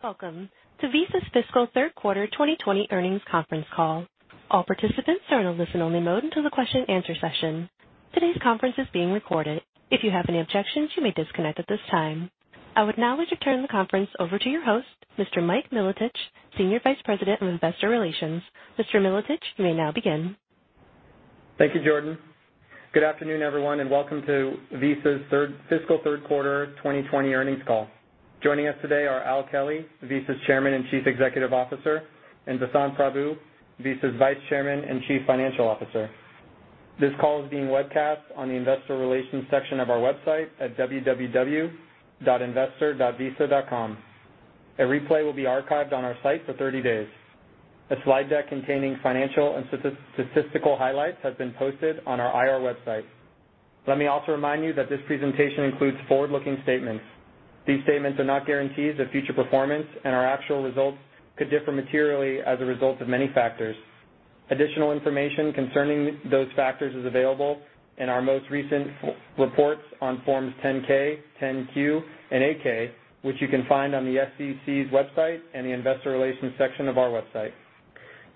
Welcome to Visa's fiscal third quarter 2020 earnings conference call. All participants are in a listen-only mode until the question answer session. Today's conference is being recorded. If you have any objections, you may disconnect at this time. I would now like to turn the conference over to your host, Mr. Mike Milotich, Senior Vice President of Investor Relations. Mr. Milotich, you may now begin. Thank you, Jordan. Good afternoon, everyone, welcome to Visa's fiscal third quarter 2020 earnings call. Joining us today are Al Kelly, Visa's Chairman and Chief Executive Officer, and Vasant Prabhu, Visa's Vice Chairman and Chief Financial Officer. This call is being webcast on the investor relations section of our website at www.investor.visa.com. A replay will be archived on our site for 30 days. A slide deck containing financial and statistical highlights has been posted on our IR website. Let me also remind you that this presentation includes forward-looking statements. These statements are not guarantees of future performance, and our actual results could differ materially as a result of many factors. Additional information concerning those factors is available in our most recent reports on forms 10-K, 10-Q, and 8-K, which you can find on the SEC's website and the investor relations section of our website.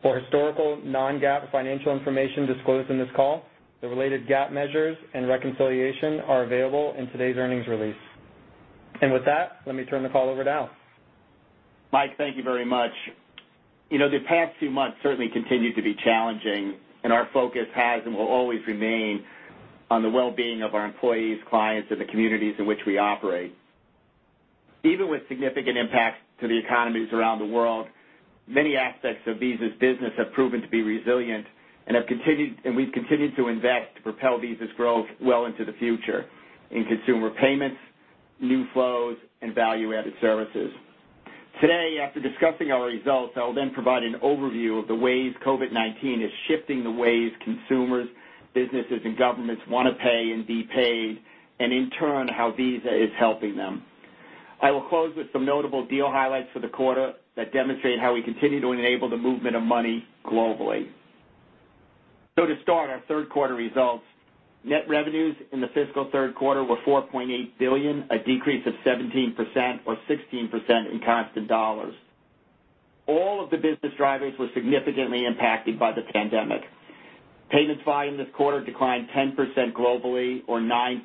For historical non-GAAP financial information disclosed in this call, the related GAAP measures and reconciliation are available in today's earnings release. With that, let me turn the call over to Al. Mike, thank you very much. The past few months certainly continue to be challenging, and our focus has and will always remain on the well-being of our employees, clients, and the communities in which we operate. Even with significant impacts to the economies around the world, many aspects of Visa's business have proven to be resilient, and we've continued to invest to propel Visa's growth well into the future in consumer payments, new flows, and value-added services. Today, after discussing our results, I will provide an overview of the ways COVID-19 is shifting the ways consumers, businesses, and governments want to pay and be paid, and in turn, how Visa is helping them. I will close with some notable deal highlights for the quarter that demonstrate how we continue to enable the movement of money globally. To start our third quarter results, net revenues in the fiscal third quarter were $4.8 billion, a decrease of 17% or 16% in constant dollars. All of the business drivers were significantly impacted by the pandemic. Payments volume this quarter declined 10% globally or 9%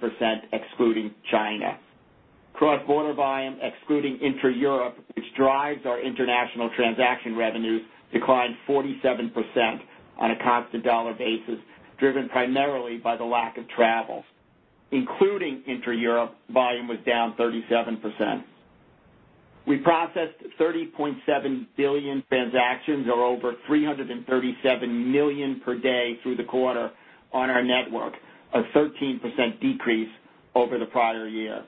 excluding China. Cross-border volume excluding intra-Europe, which drives our international transaction revenues, declined 47% on a constant dollar basis, driven primarily by the lack of travel. Including intra-Europe, volume was down 37%. We processed 30.7 billion transactions, or over 337 million per day through the quarter on our network, a 13% decrease over the prior year.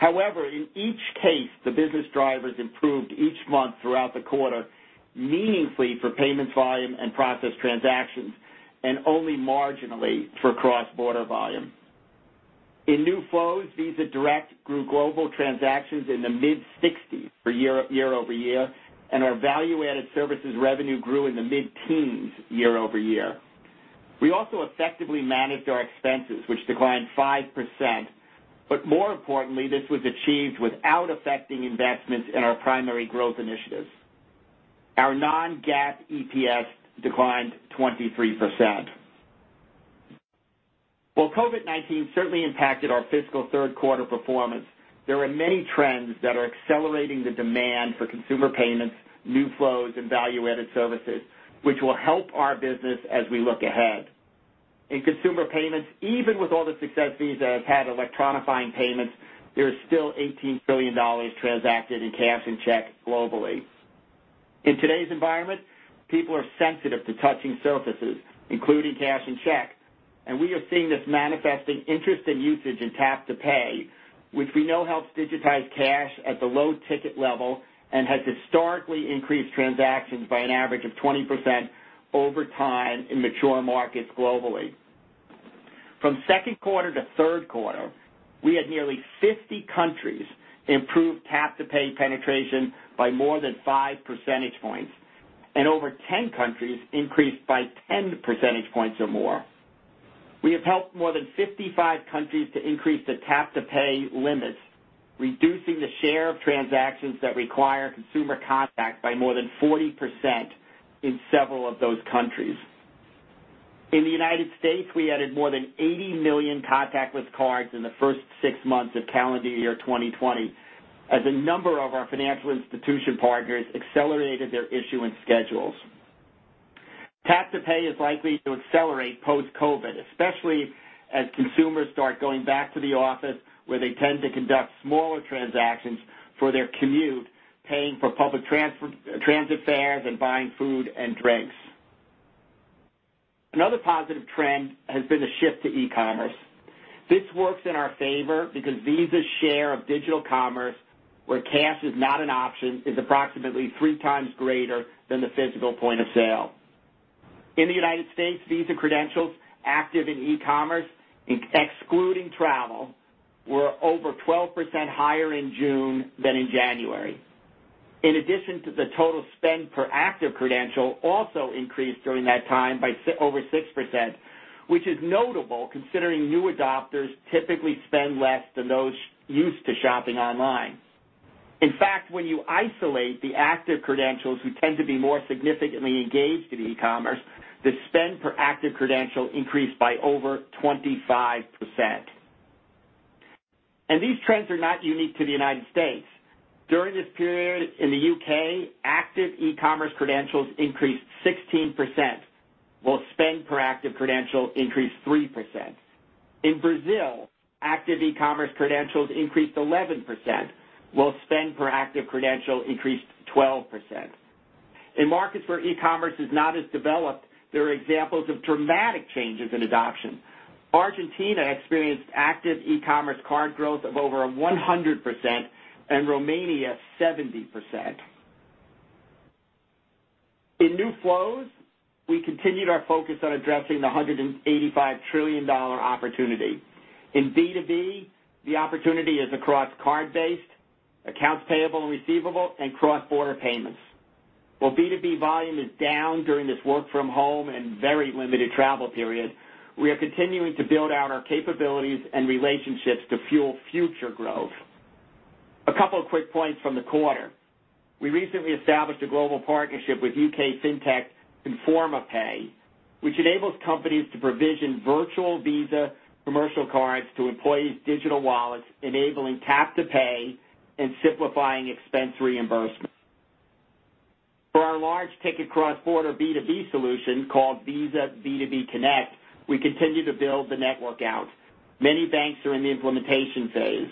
In each case, the business drivers improved each month throughout the quarter, meaningfully for payments volume and processed transactions, and only marginally for cross-border volume. In new flows, Visa Direct grew global transactions in the mid-60s for year-over-year, and our value-added services revenue grew in the mid-teens year over year. We also effectively managed our expenses, which declined 5%, but more importantly, this was achieved without affecting investments in our primary growth initiatives. Our non-GAAP EPS declined 23%. While COVID-19 certainly impacted our fiscal third quarter performance, there are many trends that are accelerating the demand for consumer payments, new flows, and value-added services, which will help our business as we look ahead. In consumer payments, even with all the success Visa has had electronifying payments, there is still $18 billion transacted in cash and checks globally. In today's environment, people are sensitive to touching surfaces, including cash and checks. We are seeing this manifesting interest in usage in tap to pay, which we know helps digitize cash at the low ticket level and has historically increased transactions by an average of 20% over time in mature markets globally. From second quarter to third quarter, we had nearly 50 countries improve tap-to-pay penetration by more than five percentage points. Over 10 countries increased by 10 percentage points or more. We have helped more than 55 countries to increase the tap-to-pay limits, reducing the share of transactions that require consumer contact by more than 40% in several of those countries. In the U.S., we added more than 80 million contactless cards in the first six months of calendar year 2020, as a number of our financial institution partners accelerated their issuance schedules. Tap to pay is likely to accelerate post-COVID, especially as consumers start going back to the office where they tend to conduct smaller transactions for their commute, paying for public transit fares, and buying food and drinks. Another positive trend has been the shift to e-commerce. This works in our favor because Visa's share of digital commerce, where cash is not an option, is approximately three times greater than the physical point of sale. In the U.S., Visa credentials active in e-commerce, excluding travel, were over 12% higher in June than in January. In addition, the total spend per active credential also increased during that time by over 6%. Which is notable considering new adopters typically spend less than those used to shopping online. In fact, when you isolate the active credentials who tend to be more significantly engaged in e-commerce, the spend per active credential increased by over 25%. These trends are not unique to the United States. During this period in the U.K., active e-commerce credentials increased 16%, while spend per active credential increased 3%. In Brazil, active e-commerce credentials increased 11%, while spend per active credential increased 12%. In markets where e-commerce is not as developed, there are examples of dramatic changes in adoption. Argentina experienced active e-commerce card growth of over 100% and Romania 70%. In new flows, we continued our focus on addressing the $185 trillion opportunity. In B2B, the opportunity is across card-based, accounts payable and receivable, and cross-border payments. While B2B volume is down during this work from home and very limited travel period, we are continuing to build out our capabilities and relationships to fuel future growth. A couple of quick points from the quarter. We recently established a global partnership with U.K. Fintech Invapay, which enables companies to provision virtual Visa commercial cards to employees' digital wallets, enabling tap-to-pay and simplifying expense reimbursements. For our large ticket cross-border B2B solution called Visa B2B Connect, we continue to build the network out. Many banks are in the implementation phase,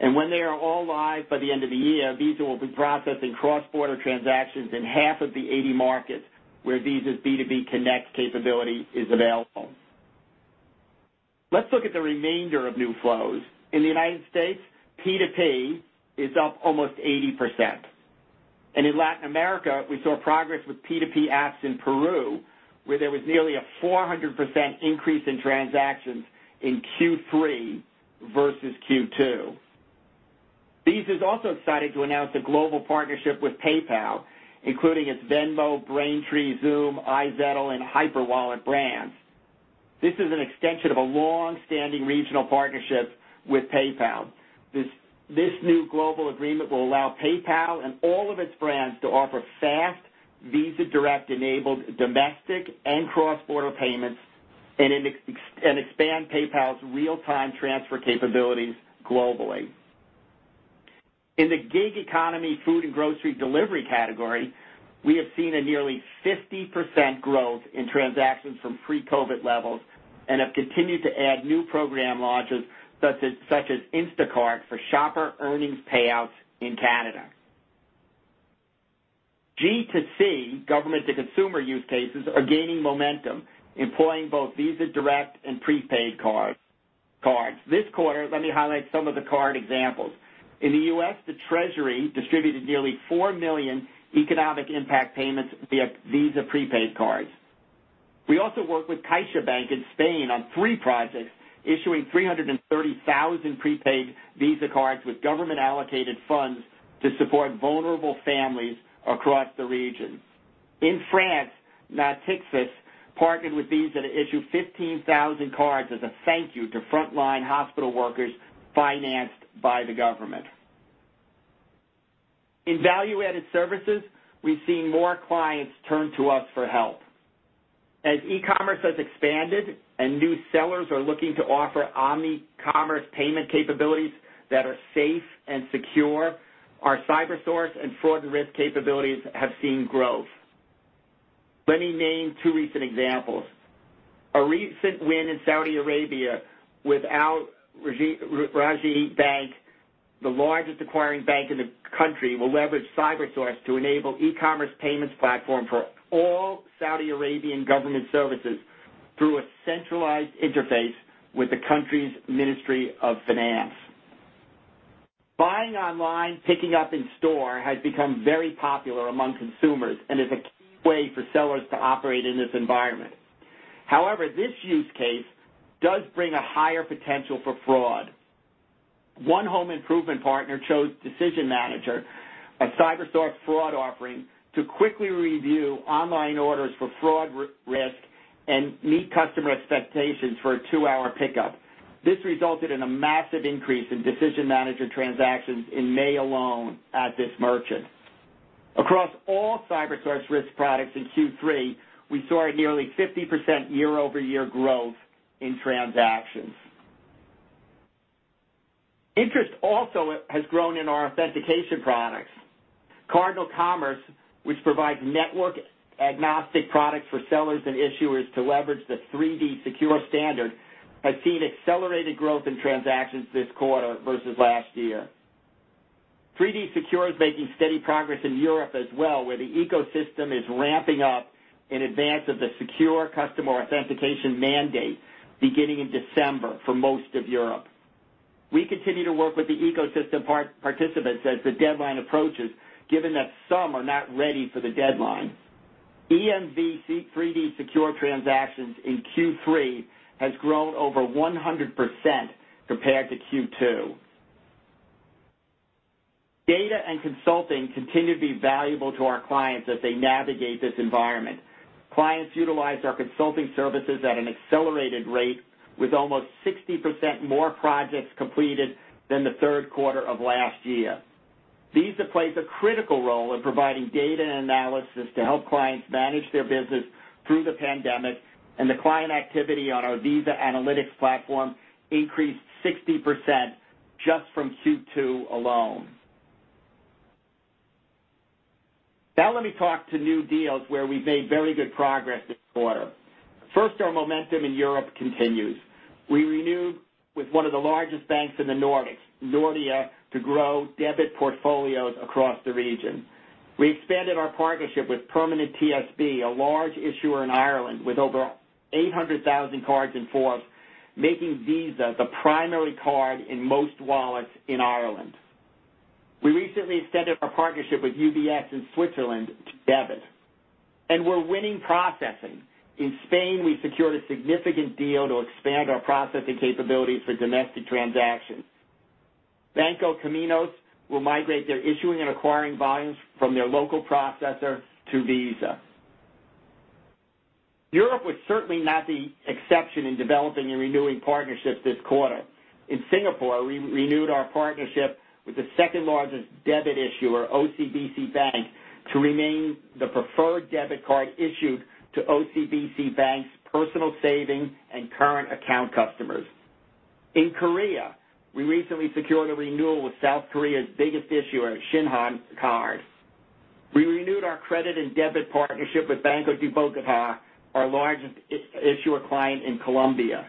and when they are all live by the end of the year, Visa will be processing cross-border transactions in half of the 80 markets where Visa's B2B Connect capability is available. Let's look at the remainder of new flows. In the U.S., P2P is up almost 80%, and in Latin America, we saw progress with P2P apps in Peru, where there was nearly a 400% increase in transactions in Q3 versus Q2. Visa's also excited to announce a global partnership with PayPal, including its Venmo, Braintree, Xoom, iZettle, and Hyperwallet brands. This is an extension of a long-standing regional partnership with PayPal. This new global agreement will allow PayPal and all of its brands to offer fast Visa Direct enabled domestic and cross-border payments and expand PayPal's real-time transfer capabilities globally. In the gig economy food and grocery delivery category, we have seen a nearly 50% growth in transactions from pre-COVID levels and have continued to add new program launches such as Instacart for shopper earnings payouts in Canada. G2C, government-to-consumer use cases are gaining momentum, employing both Visa Direct and prepaid cards. This quarter, let me highlight some of the card examples. In the U.S., the treasury distributed nearly $4 million economic impact payments via Visa prepaid cards. We also worked with CaixaBank in Spain on three projects, issuing $330,000 prepaid Visa cards with government-allocated funds to support vulnerable families across the region. In France, Natixis partnered with Visa to issue $15,000 cards as a thank you to frontline hospital workers financed by the government. In value-added services, we've seen more clients turn to us for help. As e-commerce has expanded and new sellers are looking to offer omni-commerce payment capabilities that are safe and secure, our CyberSource and fraud and risk capabilities have seen growth. Let me name two recent examples. A recent win in Saudi Arabia with Al Rajhi Bank, the largest acquiring bank in the country, will leverage CyberSource to enable e-commerce payments platform for all Saudi Arabian government services through a centralized interface with the country's Ministry of Finance. Buying online, picking up in store has become very popular among consumers and is a key way for sellers to operate in this environment. However, this use case does bring a higher potential for fraud. One home improvement partner chose Decision Manager, a CyberSource fraud offering, to quickly review online orders for fraud risk and meet customer expectations for a two-hour pickup. This resulted in a massive increase in Decision Manager transactions in May alone at this merchant. Across all CyberSource risk products in Q3, we saw a nearly 50% year-over-year growth in transactions. Interest also has grown in our authentication products. CardinalCommerce, which provides network-agnostic products for sellers and issuers to leverage the 3D Secure standard, has seen accelerated growth in transactions this quarter versus last year. 3D Secure is making steady progress in Europe as well, where the ecosystem is ramping up in advance of the strong customer authentication mandate beginning in December for most of Europe. We continue to work with the ecosystem participants as the deadline approaches, given that some are not ready for the deadline. EMV 3D Secure transactions in Q3 has grown over 100% compared to Q2. Data and consulting continue to be valuable to our clients as they navigate this environment. Clients utilize our consulting services at an accelerated rate with almost 60% more projects completed than the third quarter of last year. Visa plays a critical role in providing data and analysis to help clients manage their business through the pandemic. The client activity on our Visa Analytics Platform increased 60% just from Q2 alone. Let me talk to new deals where we've made very good progress this quarter. First, our momentum in Europe continues. We renewed with one of the largest banks in the Nordics, Nordea, to grow debit portfolios across the region. We expanded our partnership with Permanent TSB, a large issuer in Ireland with over 800,000 cards in force, making Visa the primary card in most wallets in Ireland. We recently extended our partnership with UBS in Switzerland to debit. We're winning processing. In Spain, we secured a significant deal to expand our processing capabilities for domestic transactions. Banco Caminos will migrate their issuing and acquiring volumes from their local processor to Visa. Europe was certainly not the exception in developing and renewing partnerships this quarter. In Singapore, we renewed our partnership with the second-largest debit issuer, OCBC Bank, to remain the preferred debit card issued to OCBC Bank's personal savings and current account customers. In Korea, we recently secured a renewal with South Korea's biggest issuer, Shinhan Card. We renewed our credit and debit partnership with Banco de Bogotá, our largest issuer client in Colombia.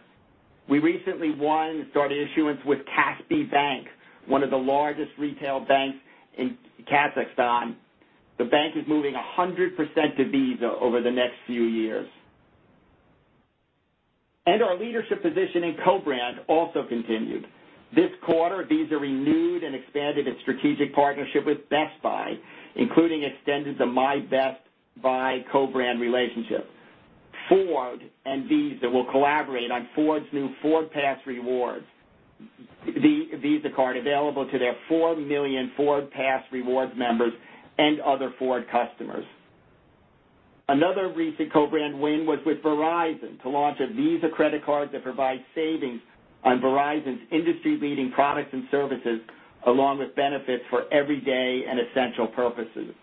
We recently won and started issuance with Kaspi Bank, one of the largest retail banks in Kazakhstan. The bank is moving 100% to Visa over the next few years. Our leadership position in co-brand also continued. This quarter, Visa renewed and expanded its strategic partnership with Best Buy, including extended the My Best Buy co-brand relationship. Ford and Visa will collaborate on Ford's new FordPass Rewards, the Visa card available to their 4 million FordPass Rewards members and other Ford customers. Another recent co-brand win was with Verizon to launch a Visa credit card that provides savings on Verizon's industry-leading products and services, along with benefits for everyday and essential purposes.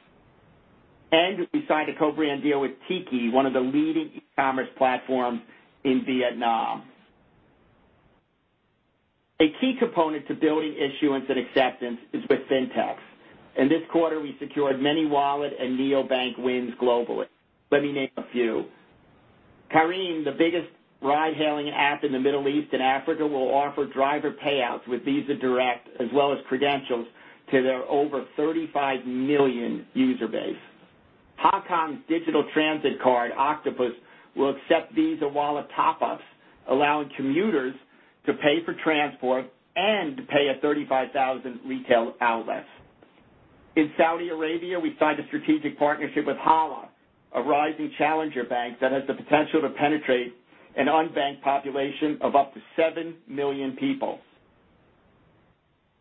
We signed a co-brand deal with Tiki, one of the leading commerce platforms in Vietnam. A key component to building issuance and acceptance is with fintechs, and this quarter we secured many wallet and neobank wins globally. Let me name a few. Careem, the biggest ride-hailing app in the Middle East and Africa, will offer driver payouts with Visa Direct as well as credentials to their over 35 million user base. Hong Kong's digital transit card, Octopus, will accept Visa wallet top-ups, allowing commuters to pay for transport and to pay at 35,000 retail outlets. In Saudi Arabia, we signed a strategic partnership with Hala, a rising challenger bank that has the potential to penetrate an unbanked population of up to 7 million people.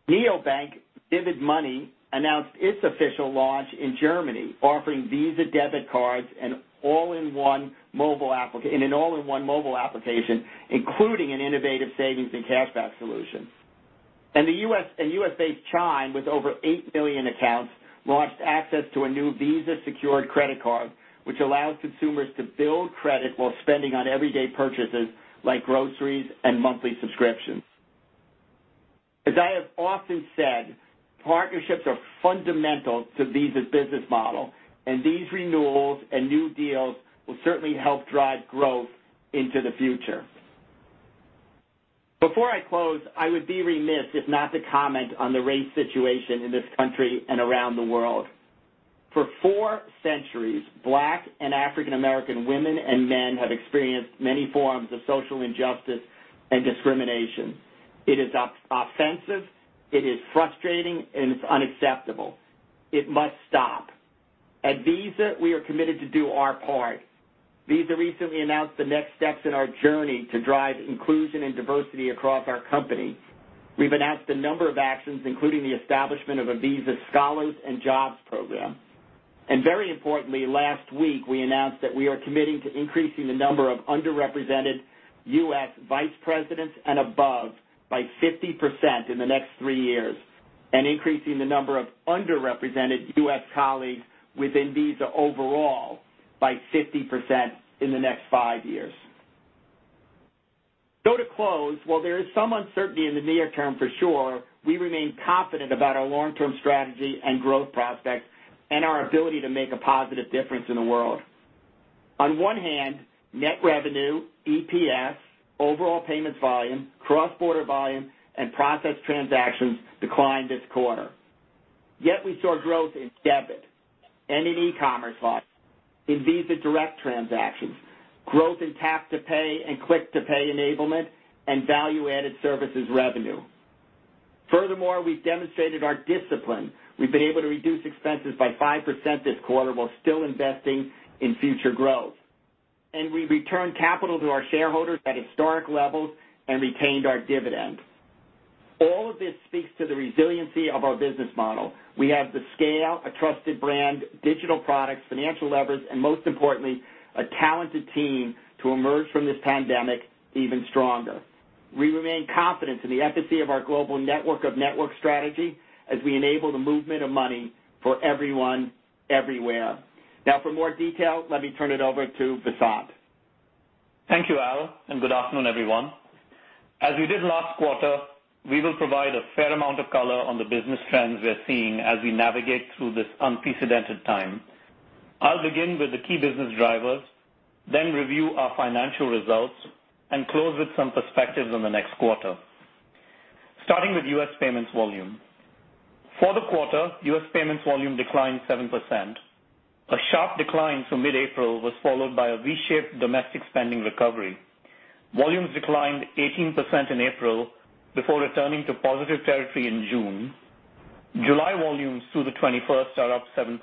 Neobank Vivid Money announced its official launch in Germany, offering Visa debit cards in an all-in-one mobile application, including an innovative savings and cashback solution. U.S.-based Chime, with over 8 million accounts, launched access to a new Visa-secured credit card, which allows consumers to build credit while spending on everyday purchases like groceries and monthly subscriptions. As I have often said, partnerships are fundamental to Visa's business model, and these renewals and new deals will certainly help drive growth into the future. Before I close, I would be remiss if not to comment on the race situation in this country and around the world. For four centuries, Black and African American women and men have experienced many forms of social injustice and discrimination. It is offensive, it is frustrating, it's unacceptable. It must stop. At Visa, we are committed to do our part. Visa recently announced the next steps in our journey to drive inclusion and diversity across our company. We've announced a number of actions, including the establishment of a Visa Scholars and Jobs program. Very importantly, last week, we announced that we are committing to increasing the number of underrepresented U.S. vice presidents and above by 50% in the next three years, and increasing the number of underrepresented U.S. colleagues within Visa overall by 50% in the next five years. To close, while there is some uncertainty in the near term for sure, we remain confident about our long-term strategy and growth prospects and our ability to make a positive difference in the world. On one hand, net revenue, EPS, overall payments volume, cross-border volume, and processed transactions declined this quarter. We saw growth in debit and in e-commerce volume, in Visa Direct transactions, growth in tap to pay and Click to Pay enablement, and value-added services revenue. Furthermore, we've demonstrated our discipline. We've been able to reduce expenses by 5% this quarter while still investing in future growth. We returned capital to our shareholders at historic levels and retained our dividend. All of this speaks to the resiliency of our business model. We have the scale, a trusted brand, digital products, financial levers, and most importantly, a talented team to emerge from this pandemic even stronger. We remain confident in the efficacy of our global network of network strategy as we enable the movement of money for everyone, everywhere. For more detail, let me turn it over to Vasant. Thank you, Al, good afternoon, everyone. As we did last quarter, we will provide a fair amount of color on the business trends we're seeing as we navigate through this unprecedented time. I'll begin with the key business drivers, then review our financial results, and close with some perspectives on the next quarter. Starting with U.S. payments volume. For the quarter, U.S. payments volume declined 7%. A sharp decline from mid-April was followed by a V-shaped domestic spending recovery. Volumes declined 18% in April before returning to positive territory in June. July volumes through the 21st are up 7%.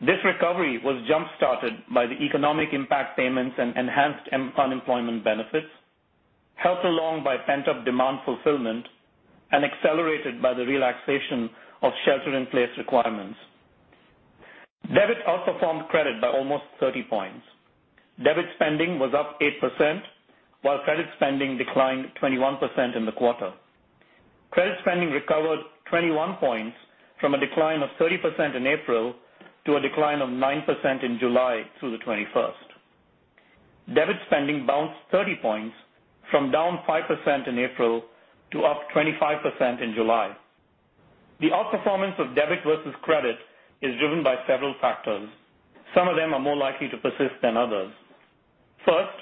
This recovery was jump-started by the economic impact payments and enhanced unemployment benefits, helped along by pent-up demand fulfillment, and accelerated by the relaxation of shelter-in-place requirements. Debit outperformed credit by almost 30 points. Debit spending was up 8%, while credit spending declined 21% in the quarter. Credit spending recovered 21 points from a decline of 30% in April to a decline of 9% in July through the 21st. Debit spending bounced 30 points from down 5% in April to up 25% in July. The outperformance of debit versus credit is driven by several factors. Some of them are more likely to persist than others. First,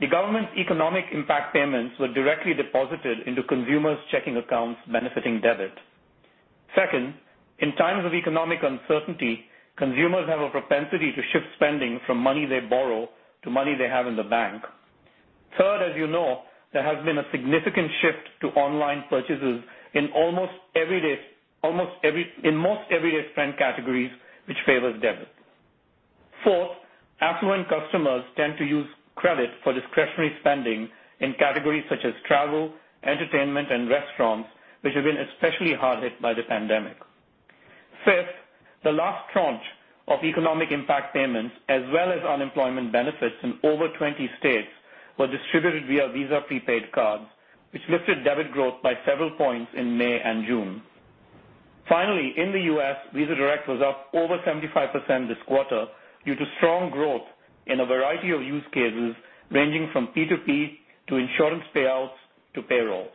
the government's economic impact payments were directly deposited into consumers' checking accounts, benefiting debit. Second, in times of economic uncertainty, consumers have a propensity to shift spending from money they borrow to money they have in the bank. Third, as you know, there has been a significant shift to online purchases in most everyday spend categories, which favors debit. Fourth, affluent customers tend to use credit for discretionary spending in categories such as travel, entertainment, and restaurants, which have been especially hard hit by the pandemic. Fifth, the last tranche of economic impact payments, as well as unemployment benefits in over 20 states, were distributed via Visa prepaid cards, which lifted debit growth by several points in May and June. Finally, in the U.S., Visa Direct was up over 75% this quarter due to strong growth in a variety of use cases ranging from P2P to insurance payouts to payroll.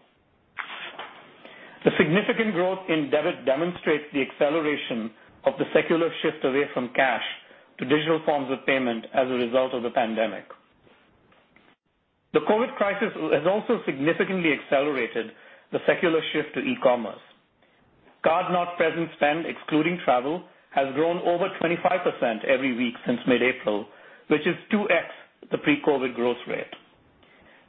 The significant growth in debit demonstrates the acceleration of the secular shift away from cash to digital forms of payment as a result of the pandemic. The COVID crisis has also significantly accelerated the secular shift to e-commerce. Card-not-present spend, excluding travel, has grown over 25% every week since mid-April, which is 2x the pre-COVID growth rate.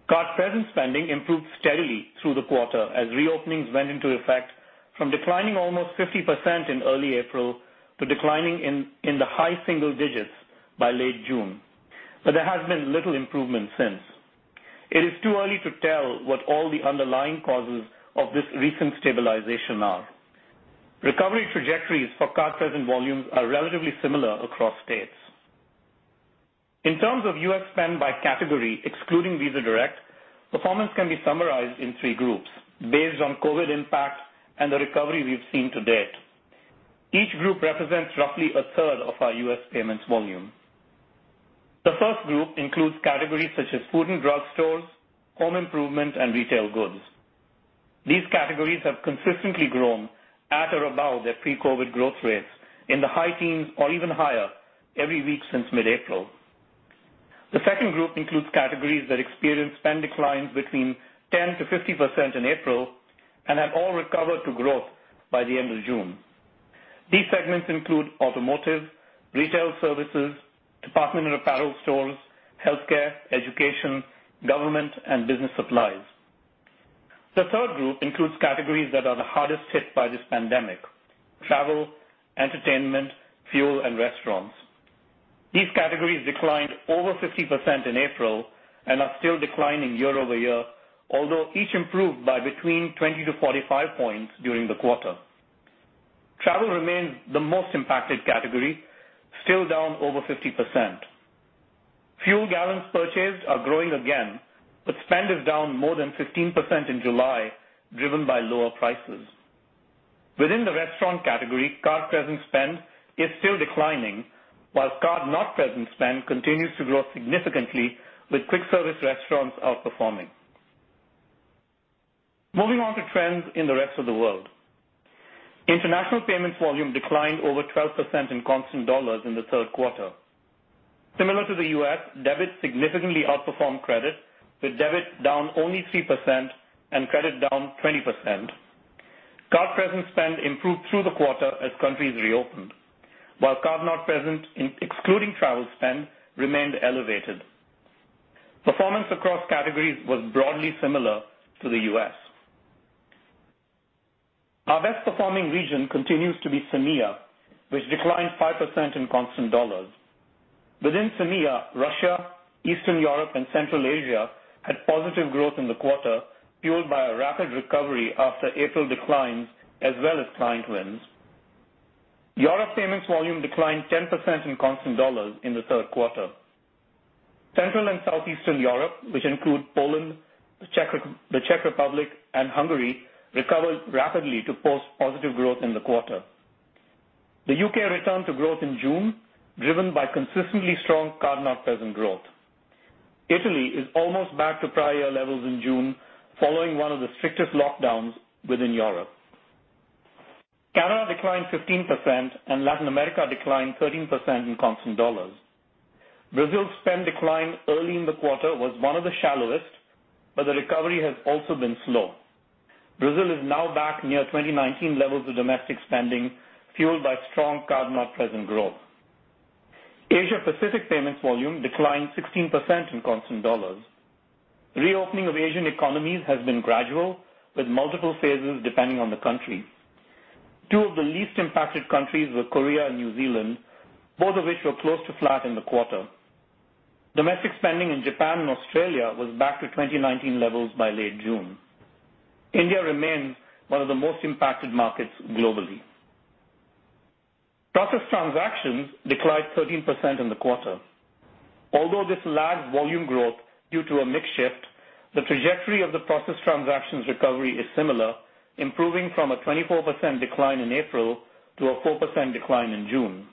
Card-present spending improved steadily through the quarter as reopenings went into effect, from declining almost 50% in early April to declining in the high single digits by late June. There has been little improvement since. It is too early to tell what all the underlying causes of this recent stabilization are. Recovery trajectories for card-present volumes are relatively similar across states. In terms of U.S. spend by category, excluding Visa Direct, performance can be summarized in three groups based on COVID impact and the recovery we've seen to date. Each group represents roughly a third of our U.S. payments volume. The first group includes categories such as food and drug stores, home improvement, and retail goods. These categories have consistently grown at or above their pre-COVID growth rates in the high teens or even higher every week since mid-April. The second group includes categories that experienced spend declines between 10%-50% in April and have all recovered to growth by the end of June. These segments include automotive, retail services, department or apparel stores, healthcare, education, government, and business supplies. The third group includes categories that are the hardest hit by this pandemic: travel, entertainment, fuel, and restaurants. These categories declined over 50% in April and are still declining year-over-year, although each improved by between 20-45 points during the quarter. Travel remains the most impacted category, still down over 50%. Fuel gallons purchased are growing again, but spend is down more than 15% in July, driven by lower prices. Within the restaurant category, card-present spend is still declining, while card-not-present spend continues to grow significantly, with quick service restaurants outperforming. Moving on to trends in the rest of the world. International payments volume declined over 12% in constant dollars in the third quarter. Similar to the U.S., debit significantly outperformed credit, with debit down only 3% and credit down 20%. Card-present spend improved through the quarter as countries reopened. While card-not-present, excluding travel spend, remained elevated. Performance across categories was broadly similar to the U.S. Our best performing region continues to be CEMEA, which declined 5% in constant dollars. Within CEMEA, Russia, Eastern Europe, and Central Asia had positive growth in the quarter, fueled by a rapid recovery after April declines as well as client wins. Europe payments volume declined 10% in constant dollars in the third quarter. Central and Southeastern Europe, which include Poland, the Czech Republic, and Hungary, recovered rapidly to post positive growth in the quarter. The U.K. returned to growth in June, driven by consistently strong card-not-present growth. Italy is almost back to prior year levels in June, following one of the strictest lockdowns within Europe. Canada declined 15%, and Latin America declined 13% in constant dollars. Brazil's spend decline early in the quarter was one of the shallowest, but the recovery has also been slow. Brazil is now back near 2019 levels of domestic spending, fueled by strong card-not-present growth. Asia Pacific payments volume declined 16% in constant dollars. Reopening of Asian economies has been gradual, with multiple phases depending on the country. Two of the least impacted countries were Korea and New Zealand, both of which were close to flat in the quarter. Domestic spending in Japan and Australia was back to 2019 levels by late June. India remains one of the most impacted markets globally. Processed transactions declined 13% in the quarter. Although this lagged volume growth due to a mix shift, the trajectory of the processed transactions recovery is similar, improving from a 24% decline in April to a 4% decline in June.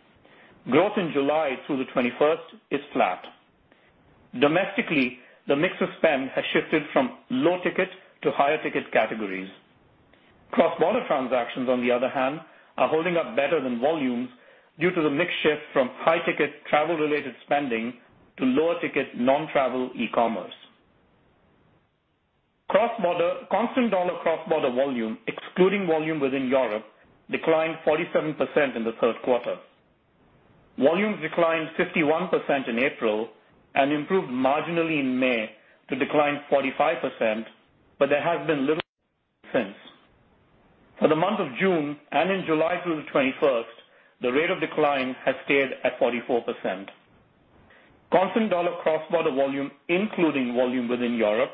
Growth in July through the 21st is flat. Domestically, the mix of spend has shifted from low-ticket to higher-ticket categories. Cross-border transactions, on the other hand, are holding up better than volumes due to the mix shift from high-ticket travel-related spending to lower-ticket non-travel e-commerce. Constant dollar cross-border volume, excluding volume within Europe, declined 47% in the third quarter. Volumes declined 51% in April and improved marginally in May to decline 45%, but there has been little since. For the month of June and in July through the 21st, the rate of decline has stayed at 44%. Constant dollar cross-border volume, including volume within Europe,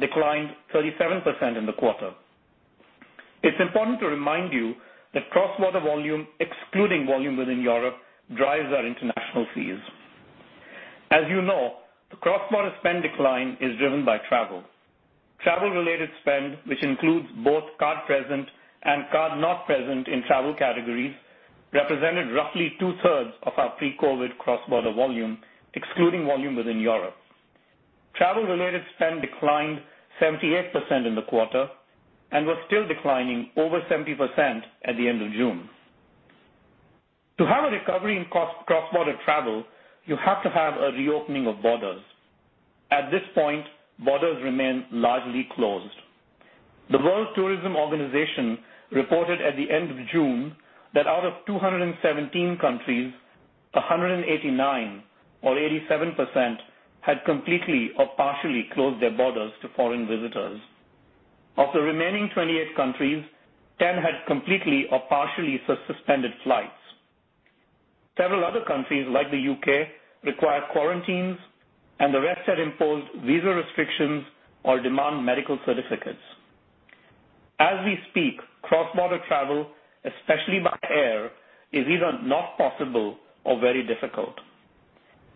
declined 37% in the quarter. It's important to remind you that cross-border volume, excluding volume within Europe, drives our international fees. As you know, the cross-border spend decline is driven by travel. Travel-related spend, which includes both card-present and card-not-present in travel categories, represented roughly 2/3 of our pre-COVID-19 cross-border volume, excluding volume within Europe. Travel-related spend declined 78% in the quarter and was still declining over 70% at the end of June. To have a recovery in cross-border travel, you have to have a reopening of borders. At this point, borders remain largely closed. The World Tourism Organization reported at the end of June that out of 217 countries, 189 or 87% had completely or partially closed their borders to foreign visitors. Of the remaining 28 countries, 10 had completely or partially suspended flights. Several other countries, like the U.K., require quarantines, and the rest had imposed visa restrictions or demand medical certificates. As we speak, cross-border travel, especially by air, is either not possible or very difficult.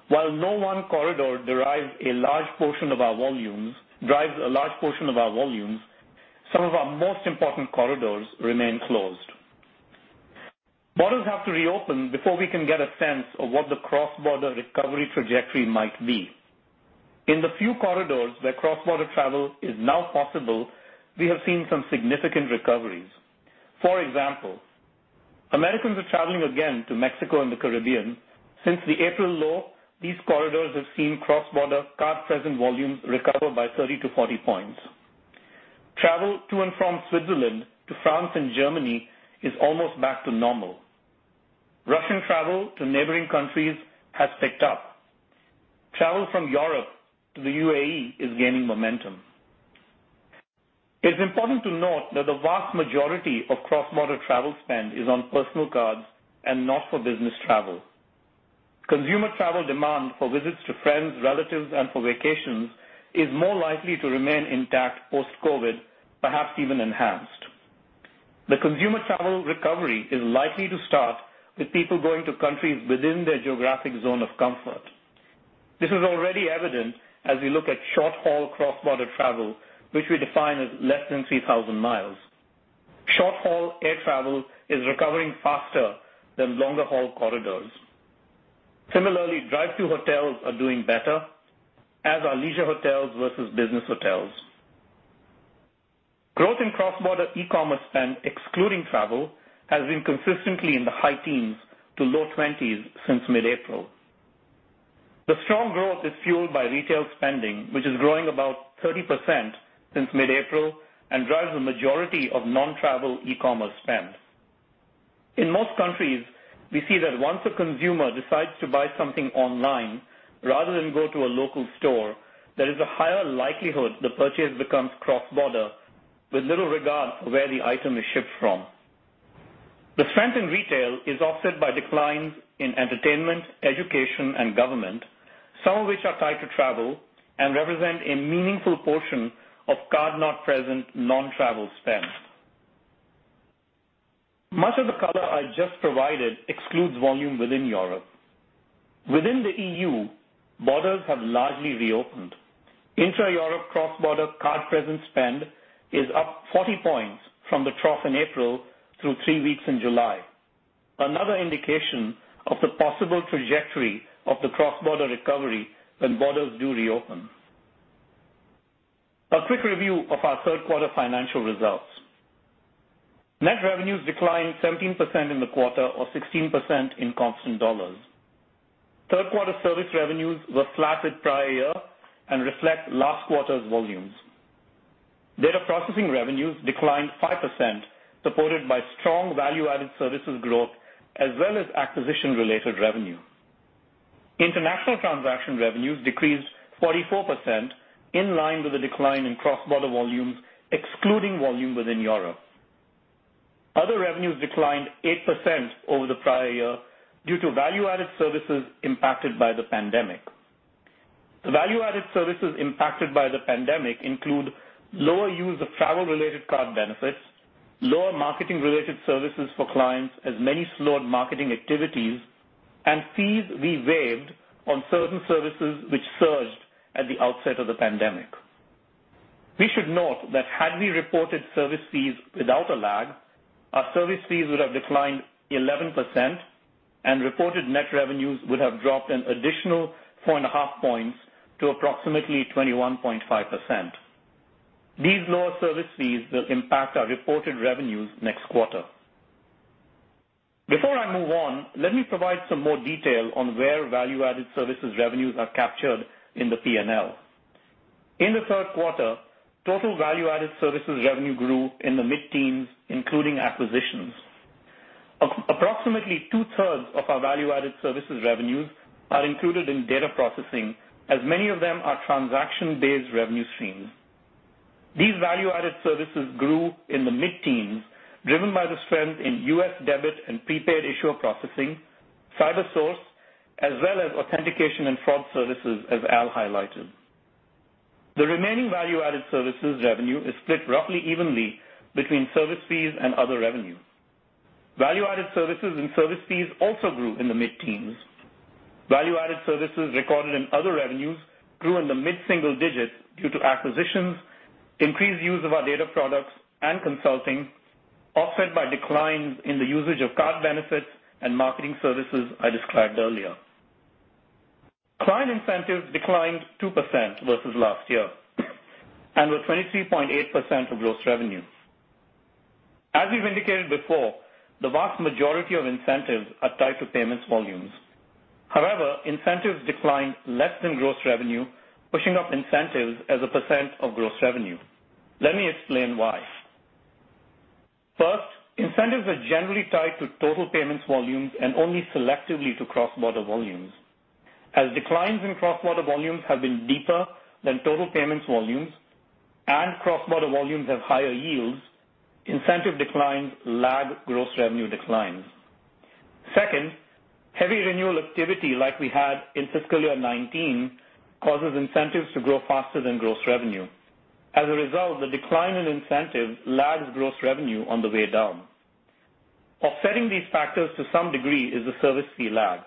While no one corridor drives a large portion of our volumes, some of our most important corridors remain closed. Borders have to reopen before we can get a sense of what the cross-border recovery trajectory might be. In the few corridors where cross-border travel is now possible, we have seen some significant recoveries. For example, Americans are traveling again to Mexico and the Caribbean. Since the April low, these corridors have seen cross-border card-present volumes recover by 30-40 points. Travel to and from Switzerland to France and Germany is almost back to normal. Russian travel to neighboring countries has picked up. Travel from Europe to the UAE is gaining momentum. It's important to note that the vast majority of cross-border travel spend is on personal cards and not for business travel. Consumer travel demand for visits to friends, relatives, and for vacations is more likely to remain intact post-COVID, perhaps even enhanced. The consumer travel recovery is likely to start with people going to countries within their geographic zone of comfort. This is already evident as we look at short-haul cross-border travel, which we define as less than 3,000 mi. Short-haul air travel is recovering faster than longer-haul corridors. Similarly, drive-to hotels are doing better, as are leisure hotels versus business hotels. Growth in cross-border e-commerce spend, excluding travel, has been consistently in the high teens to low 20s since mid-April. The strong growth is fueled by retail spending, which is growing about 30% since mid-April and drives the majority of non-travel e-commerce spend. In most countries, we see that once a consumer decides to buy something online rather than go to a local store, there is a higher likelihood the purchase becomes cross-border with little regard for where the item is shipped from. The strength in retail is offset by declines in entertainment, education, and government, some of which are tied to travel and represent a meaningful portion of card-not-present non-travel spend. Much of the color I just provided excludes volume within Europe. Within the EU, borders have largely reopened. Intra-Europe cross-border card-present spend is up 40 points from the trough in April through three weeks in July, another indication of the possible trajectory of the cross-border recovery when borders do reopen. A quick review of our third-quarter financial results. Net revenues declined 17% in the quarter, or 16% in constant dollars. Third-quarter service revenues were flat with prior year and reflect last quarter's volumes. Data processing revenues declined 5%, supported by strong value-added services growth as well as acquisition-related revenue. International transaction revenues decreased 44%, in line with the decline in cross-border volumes, excluding volume within Europe. Other revenues declined 8% over the prior year due to value-added services impacted by the pandemic. The value-added services impacted by the pandemic include lower use of travel-related card benefits, lower marketing-related services for clients as many slowed marketing activities, and fees we waived on certain services which surged at the outset of the pandemic. We should note that had we reported service fees without a lag, our service fees would have declined 11% and reported net revenues would have dropped an additional 4.5 points to approximately 21.5%. These lower service fees will impact our reported revenues next quarter. Before I move on, let me provide some more detail on where value-added services revenues are captured in the P&L. In the third quarter, total value-added services revenue grew in the mid-teens, including acquisitions. Approximately 2/3 of our value-added services revenues are included in data processing, as many of them are transaction-based revenue streams. These value-added services grew in the mid-teens, driven by the strength in U.S. debit and prepaid issuer processing, CyberSource, as well as authentication and fraud services, as Al highlighted. The remaining value-added services revenue is split roughly evenly between service fees and other revenues. Value-added services and service fees also grew in the mid-teens. Value-added services recorded in other revenues grew in the mid-single digits due to acquisitions, increased use of our data products and consulting, offset by declines in the usage of card benefits and marketing services I described earlier. Client incentives declined 2% versus last year and were 23.8% of gross revenues. We've indicated before, the vast majority of incentives are tied to payments volumes. Incentives declined less than gross revenue, pushing up incentives as a percent of gross revenue. Let me explain why. Incentives are generally tied to total payments volumes and only selectively to cross-border volumes. Declines in cross-border volumes have been deeper than total payments volumes and cross-border volumes have higher yields, incentive declines lag gross revenue declines. Heavy renewal activity like we had in fiscal year 2019 causes incentives to grow faster than gross revenue. The decline in incentives lags gross revenue on the way down. Offsetting these factors to some degree is the service fee lag.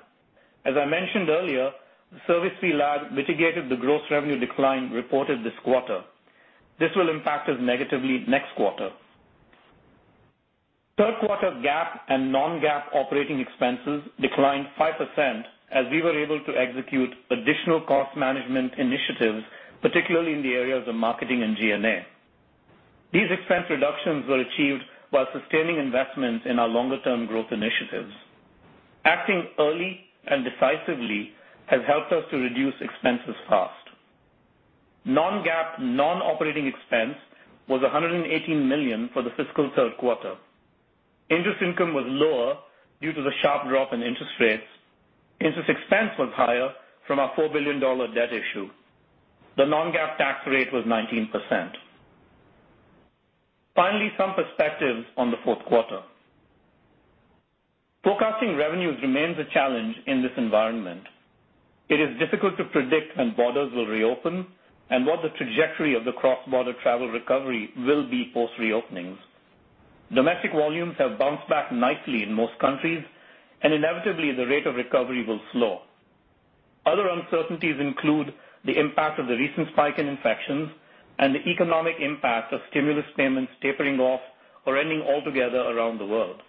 As I mentioned earlier, the service fee lag mitigated the gross revenue decline reported this quarter. This will impact us negatively next quarter. Third quarter GAAP and non-GAAP operating expenses declined 5% as we were able to execute additional cost management initiatives, particularly in the areas of marketing and G&A. These expense reductions were achieved while sustaining investments in our longer-term growth initiatives. Acting early and decisively has helped us to reduce expenses fast. Non-GAAP non-operating expense was $118 million for the fiscal third quarter. Interest income was lower due to the sharp drop in interest rates. Interest expense was higher from our $4 billion debt issue. The non-GAAP tax rate was 19%. Some perspective on the fourth quarter. Forecasting revenues remains a challenge in this environment. It is difficult to predict when borders will reopen and what the trajectory of the cross-border travel recovery will be post-reopenings. Domestic volumes have bounced back nicely in most countries, and inevitably the rate of recovery will slow. Other uncertainties include the impact of the recent spike in infections and the economic impact of stimulus payments tapering off or ending altogether around the world.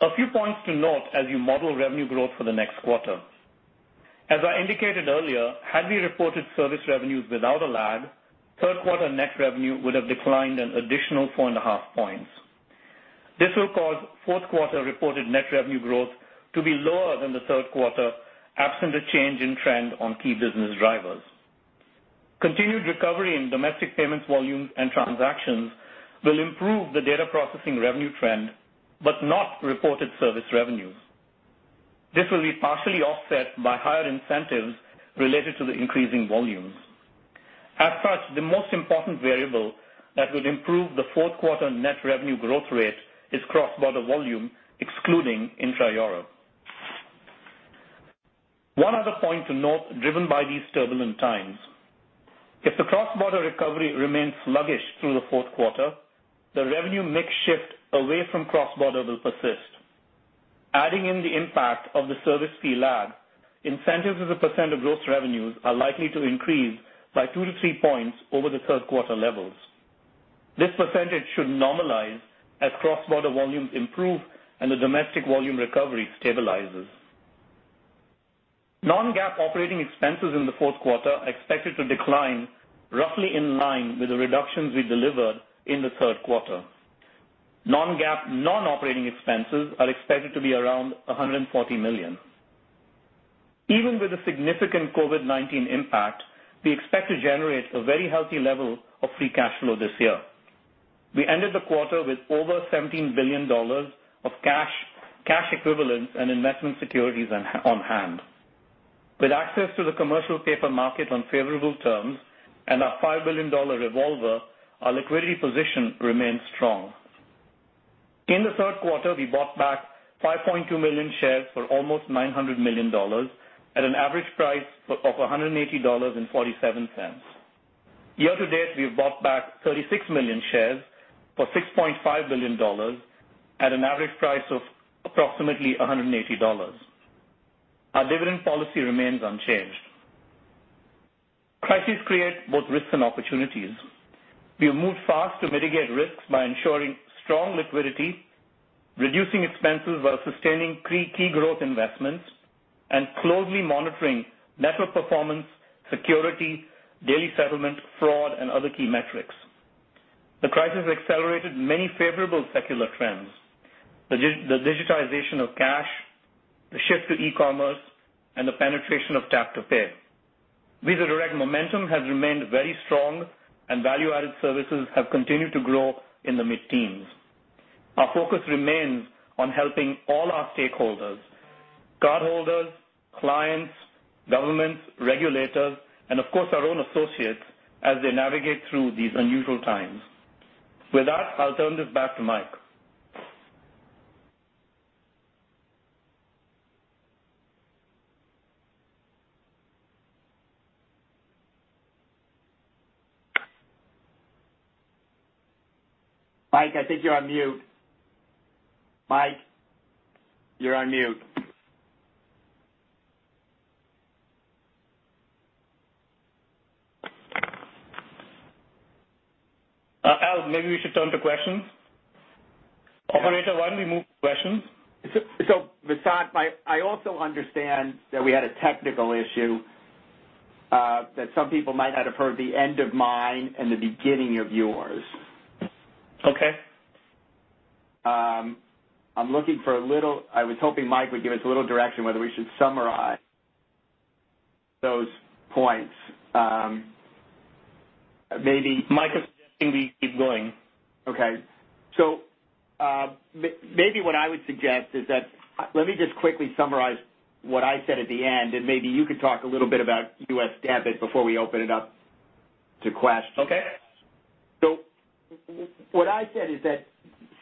A few points to note as you model revenue growth for the next quarter. As I indicated earlier, had we reported service revenues without a lag, third-quarter net revenue would have declined an additional four and a half points. This will cause fourth quarter reported net revenue growth to be lower than the third quarter absent a change in trend on key business drivers. Continued recovery in domestic payments volumes and transactions will improve the data processing revenue trend, but not reported service revenues. This will be partially offset by higher incentives related to the increasing volumes. The most important variable that will improve the fourth quarter net revenue growth rate is cross-border volume, excluding intra-Euro. One other point to note driven by these turbulent times. If the cross-border recovery remains sluggish through the fourth quarter, the revenue mix shift away from cross-border will persist. Adding in the impact of the service fee lag, incentives as a percent of growth revenues are likely to increase by 2-3 points over the third quarter levels. This percentage should normalize as cross-border volumes improve and the domestic volume recovery stabilizes. Non-GAAP operating expenses in the fourth quarter are expected to decline roughly in line with the reductions we delivered in the third quarter. Non-GAAP non-operating expenses are expected to be around $140 million. Even with a significant COVID-19 impact, we expect to generate a very healthy level of free cash flow this year. We ended the quarter with over $17 billion of cash equivalents and investment securities on hand. With access to the commercial paper market on favorable terms and our $5 billion revolver, our liquidity position remains strong. In the third quarter, we bought back 5.2 million shares for almost $900 million at an average price of $180.47. Year to date, we have bought back 36 million shares for $6.5 billion at an average price of approximately $180. Our dividend policy remains unchanged. Crises create both risks and opportunities. We have moved fast to mitigate risks by ensuring strong liquidity, reducing expenses while sustaining key growth investments, and closely monitoring network performance, security, daily settlement, fraud, and other key metrics. The crisis accelerated many favorable secular trends, the digitization of cash, the shift to e-commerce, and the penetration of tap to pay. Visa Direct momentum has remained very strong, and value-added services have continued to grow in the mid-teens. Our focus remains on helping all our stakeholders, cardholders, clients, governments, regulators, and of course, our own associates as they navigate through these unusual times. With that, I'll turn this back to Mike. Mike, I think you're on mute. Mike, you're on mute. Al, maybe we should turn to questions. Operator, why don't we move to questions? Vasant, I also understand that we had a technical issue, that some people might not have heard the end of mine and the beginning of yours. Okay. I was hoping Mike would give us a little direction whether we should summarize those points. Mike is suggesting we keep going. Okay. Maybe what I would suggest is that, let me just quickly summarize what I said at the end, and maybe you could talk a little bit about U.S. debit before we open it up to questions. Okay. What I said is that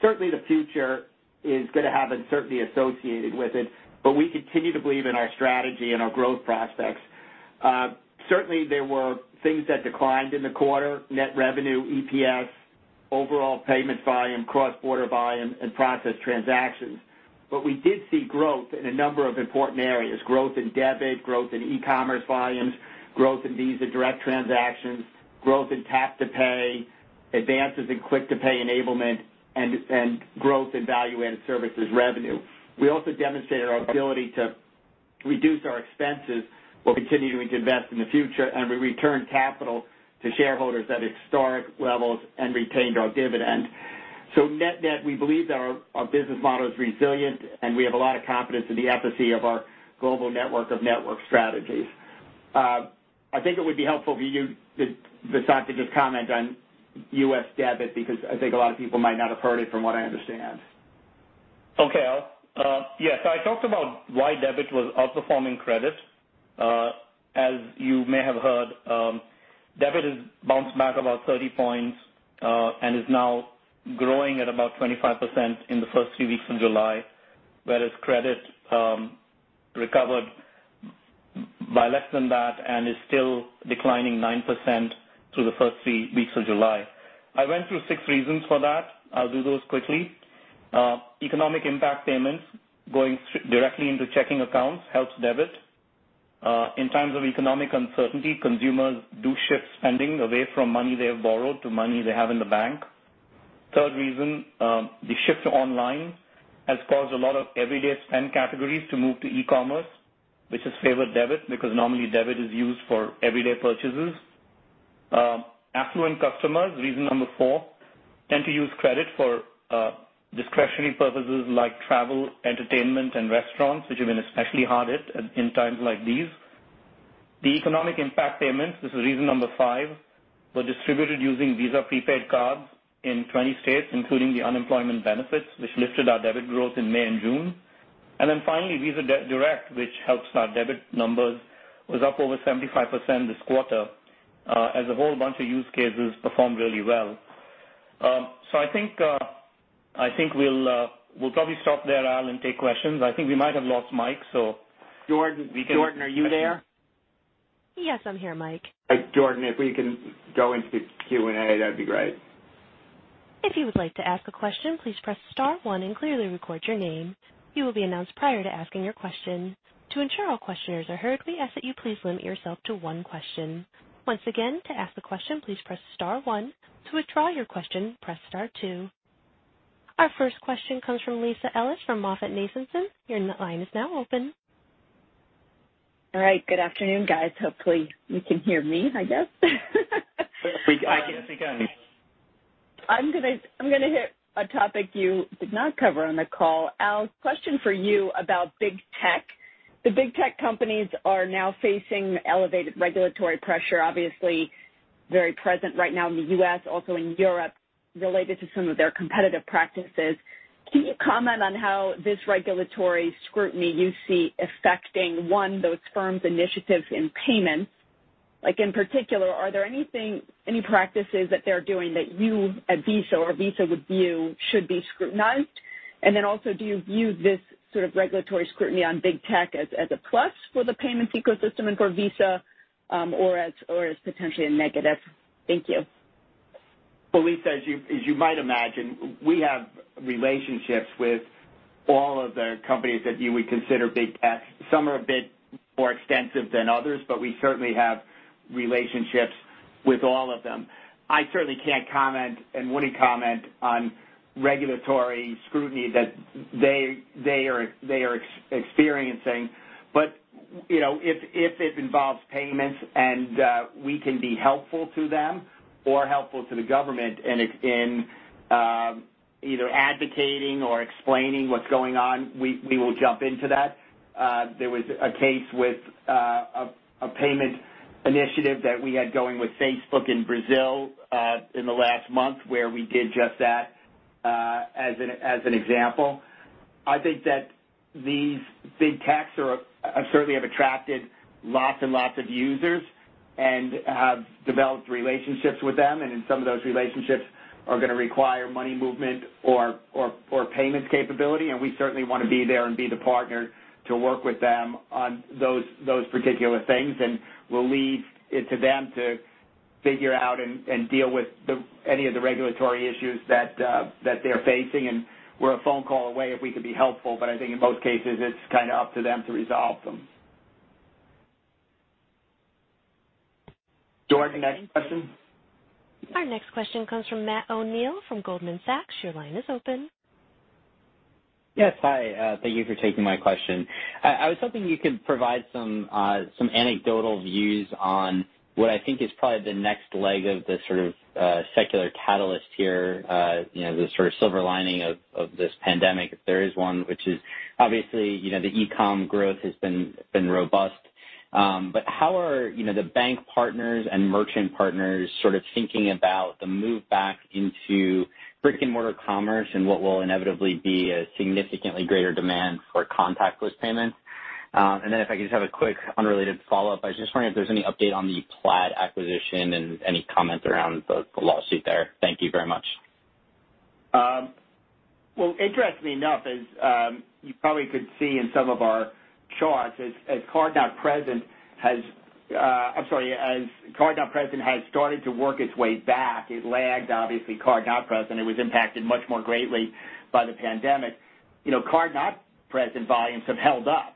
certainly the future is going to have uncertainty associated with it, but we continue to believe in our strategy and our growth prospects. Certainly, there were things that declined in the quarter, net revenue, EPS, overall payment volume, cross-border volume, and processed transactions. We did see growth in a number of important areas, growth in debit, growth in e-commerce volumes, growth in Visa Direct transactions, growth in tap to pay, advances in Click to Pay enablement, and growth in value-added services revenue. We also demonstrated our ability to reduce our expenses while continuing to invest in the future, and we returned capital to shareholders at historic levels and retained our dividend. Net-net, we believe that our business model is resilient, and we have a lot of confidence in the efficacy of our global network of network strategies. I think it would be helpful for you, Vasant, to just comment on U.S. debit because I think a lot of people might not have heard it from what I understand. Okay, Al. Yeah, I talked about why debit was outperforming credit. As you may have heard, debit has bounced back about 30 points, and is now growing at about 25% in the first three weeks of July. Whereas credit recovered by less than that and is still declining 9% through the first three weeks of July. I went through six reasons for that. I'll do those quickly. Economic impact payments going directly into checking accounts helps debit. In times of economic uncertainty, consumers do shift spending away from money they have borrowed to money they have in the bank. Third reason, the shift to online has caused a lot of everyday spend categories to move to e-commerce, which has favored debit because normally debit is used for everyday purchases. Affluent customers, reason number four tend to use credit for discretionary purposes like travel, entertainment, and restaurants, which have been especially hard hit in times like these. The economic impact payments, this is reason number five, were distributed using Visa prepaid cards in 20 states, including the unemployment benefits, which lifted our debit growth in May and June. Finally, Visa Direct, which helps our debit numbers, was up over 75% this quarter as a whole bunch of use cases performed really well. I think we'll probably stop there, Al, and take questions. I think we might have lost Mike. Jordan, are you there? Yes, I'm here, Mike. Jordan, if we can go into Q&A, that'd be great. If you would like to ask a question, please press star one and clearly record your name. You will be announced prior to asking your question. To ensure all questioners are heard, we ask that you please limit yourself to one question. Once again, to ask a question, please press star one. To withdraw your question, press star two. Our first question comes from Lisa Ellis from MoffettNathanson. Your line is now open. All right, good afternoon, guys. Hopefully, you can hear me, I guess. I think I can. I'm going to hit a topic you did not cover on the call. Al, question for you about big tech. The big tech companies are now facing elevated regulatory pressure, obviously very present right now in the U.S., also in Europe, related to some of their competitive practices. Can you comment on how this regulatory scrutiny you see affecting, one, those firms' initiatives in payments? In particular, are there any practices that they're doing that you at Visa or Visa would view should be scrutinized? Also, do you view this sort of regulatory scrutiny on big tech as a plus for the payments ecosystem and for Visa or as potentially a negative? Thank you. Well, Lisa, as you might imagine, we have relationships with all of the companies that you would consider big tech. Some are a bit more extensive than others, but we certainly have relationships with all of them. I certainly can't comment, and wouldn't comment, on regulatory scrutiny that they are experiencing. If it involves payments and we can be helpful to them or helpful to the government in either advocating or explaining what's going on, we will jump into that. There was a case with a payment initiative that we had going with Facebook in Brazil in the last month where we did just that, as an example. I think that these big techs certainly have attracted lots and lots of users and have developed relationships with them, and some of those relationships are going to require money movement or payment capability, and we certainly want to be there and be the partner to work with them on those particular things, and we'll leave it to them to figure out and deal with any of the regulatory issues that they're facing. We're a phone call away if we could be helpful, but I think in most cases, it's kind of up to them to resolve them. Jordan, next question. Our next question comes from Matt O'Neill from Goldman Sachs. Your line is open. Yes. Hi. Thank you for taking my question. I was hoping you could provide some anecdotal views on what I think is probably the next leg of the sort of secular catalyst here, the sort of silver lining of this pandemic, if there is one, which is obviously, the e-com growth has been robust. How are the bank partners and merchant partners sort of thinking about the move back into brick-and-mortar commerce and what will inevitably be a significantly greater demand for contactless payments? If I could just have a quick unrelated follow-up, I was just wondering if there's any update on the Plaid acquisition and any comments around the lawsuit there. Thank you very much. Well, interestingly enough, as you probably could see in some of our charts, as card-present has started to work its way back, it lagged, obviously, card-not-present. It was impacted much more greatly by the pandemic. Card-not-present volumes have held up,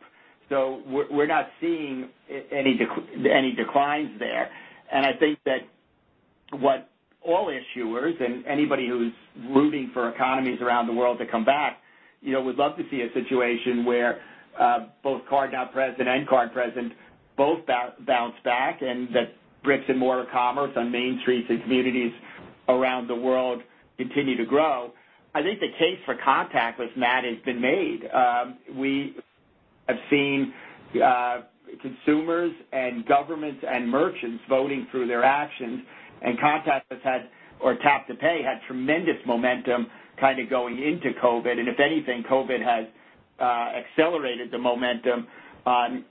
we're not seeing any declines there. I think that what all issuers and anybody who's rooting for economies around the world to come back would love to see a situation where both card-not-present and card-present both bounce back, and that bricks-and-mortar commerce on main streets and communities around the world continue to grow. I think the case for contactless, Matt, has been made. We have seen consumers and governments and merchants voting through their actions. Tap to pay had tremendous momentum kind of going into COVID-19. If anything, COVID-19 has accelerated the momentum on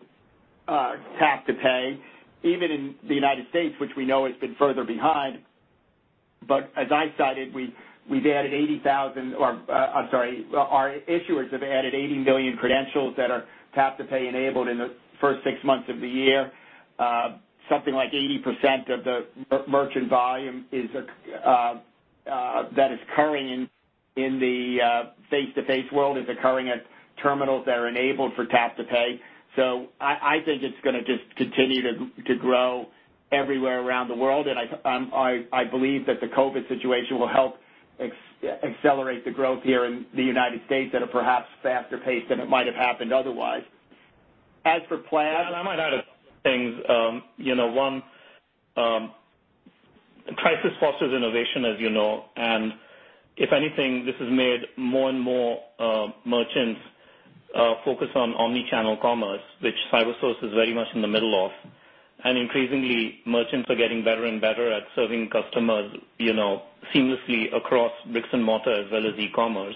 tap to pay, even in the U.S., which we know has been further behind. As I cited, our issuers have added 80 million credentials that are tap to pay enabled in the first six months of the year. Something like 80% of the merchant volume that is occurring in the face-to-face world is occurring at terminals that are enabled for tap to pay. I think it's going to just continue to grow everywhere around the world, and I believe that the COVID-19 situation will help accelerate the growth here in the U.S. at a perhaps faster pace than it might have happened otherwise. As for Plaid. I might add a few things. One, crisis fosters innovation, as you know. If anything, this has made more and more merchants focus on omni-channel commerce, which CyberSource is very much in the middle of. Increasingly, merchants are getting better and better at serving customers seamlessly across bricks and mortar as well as e-commerce.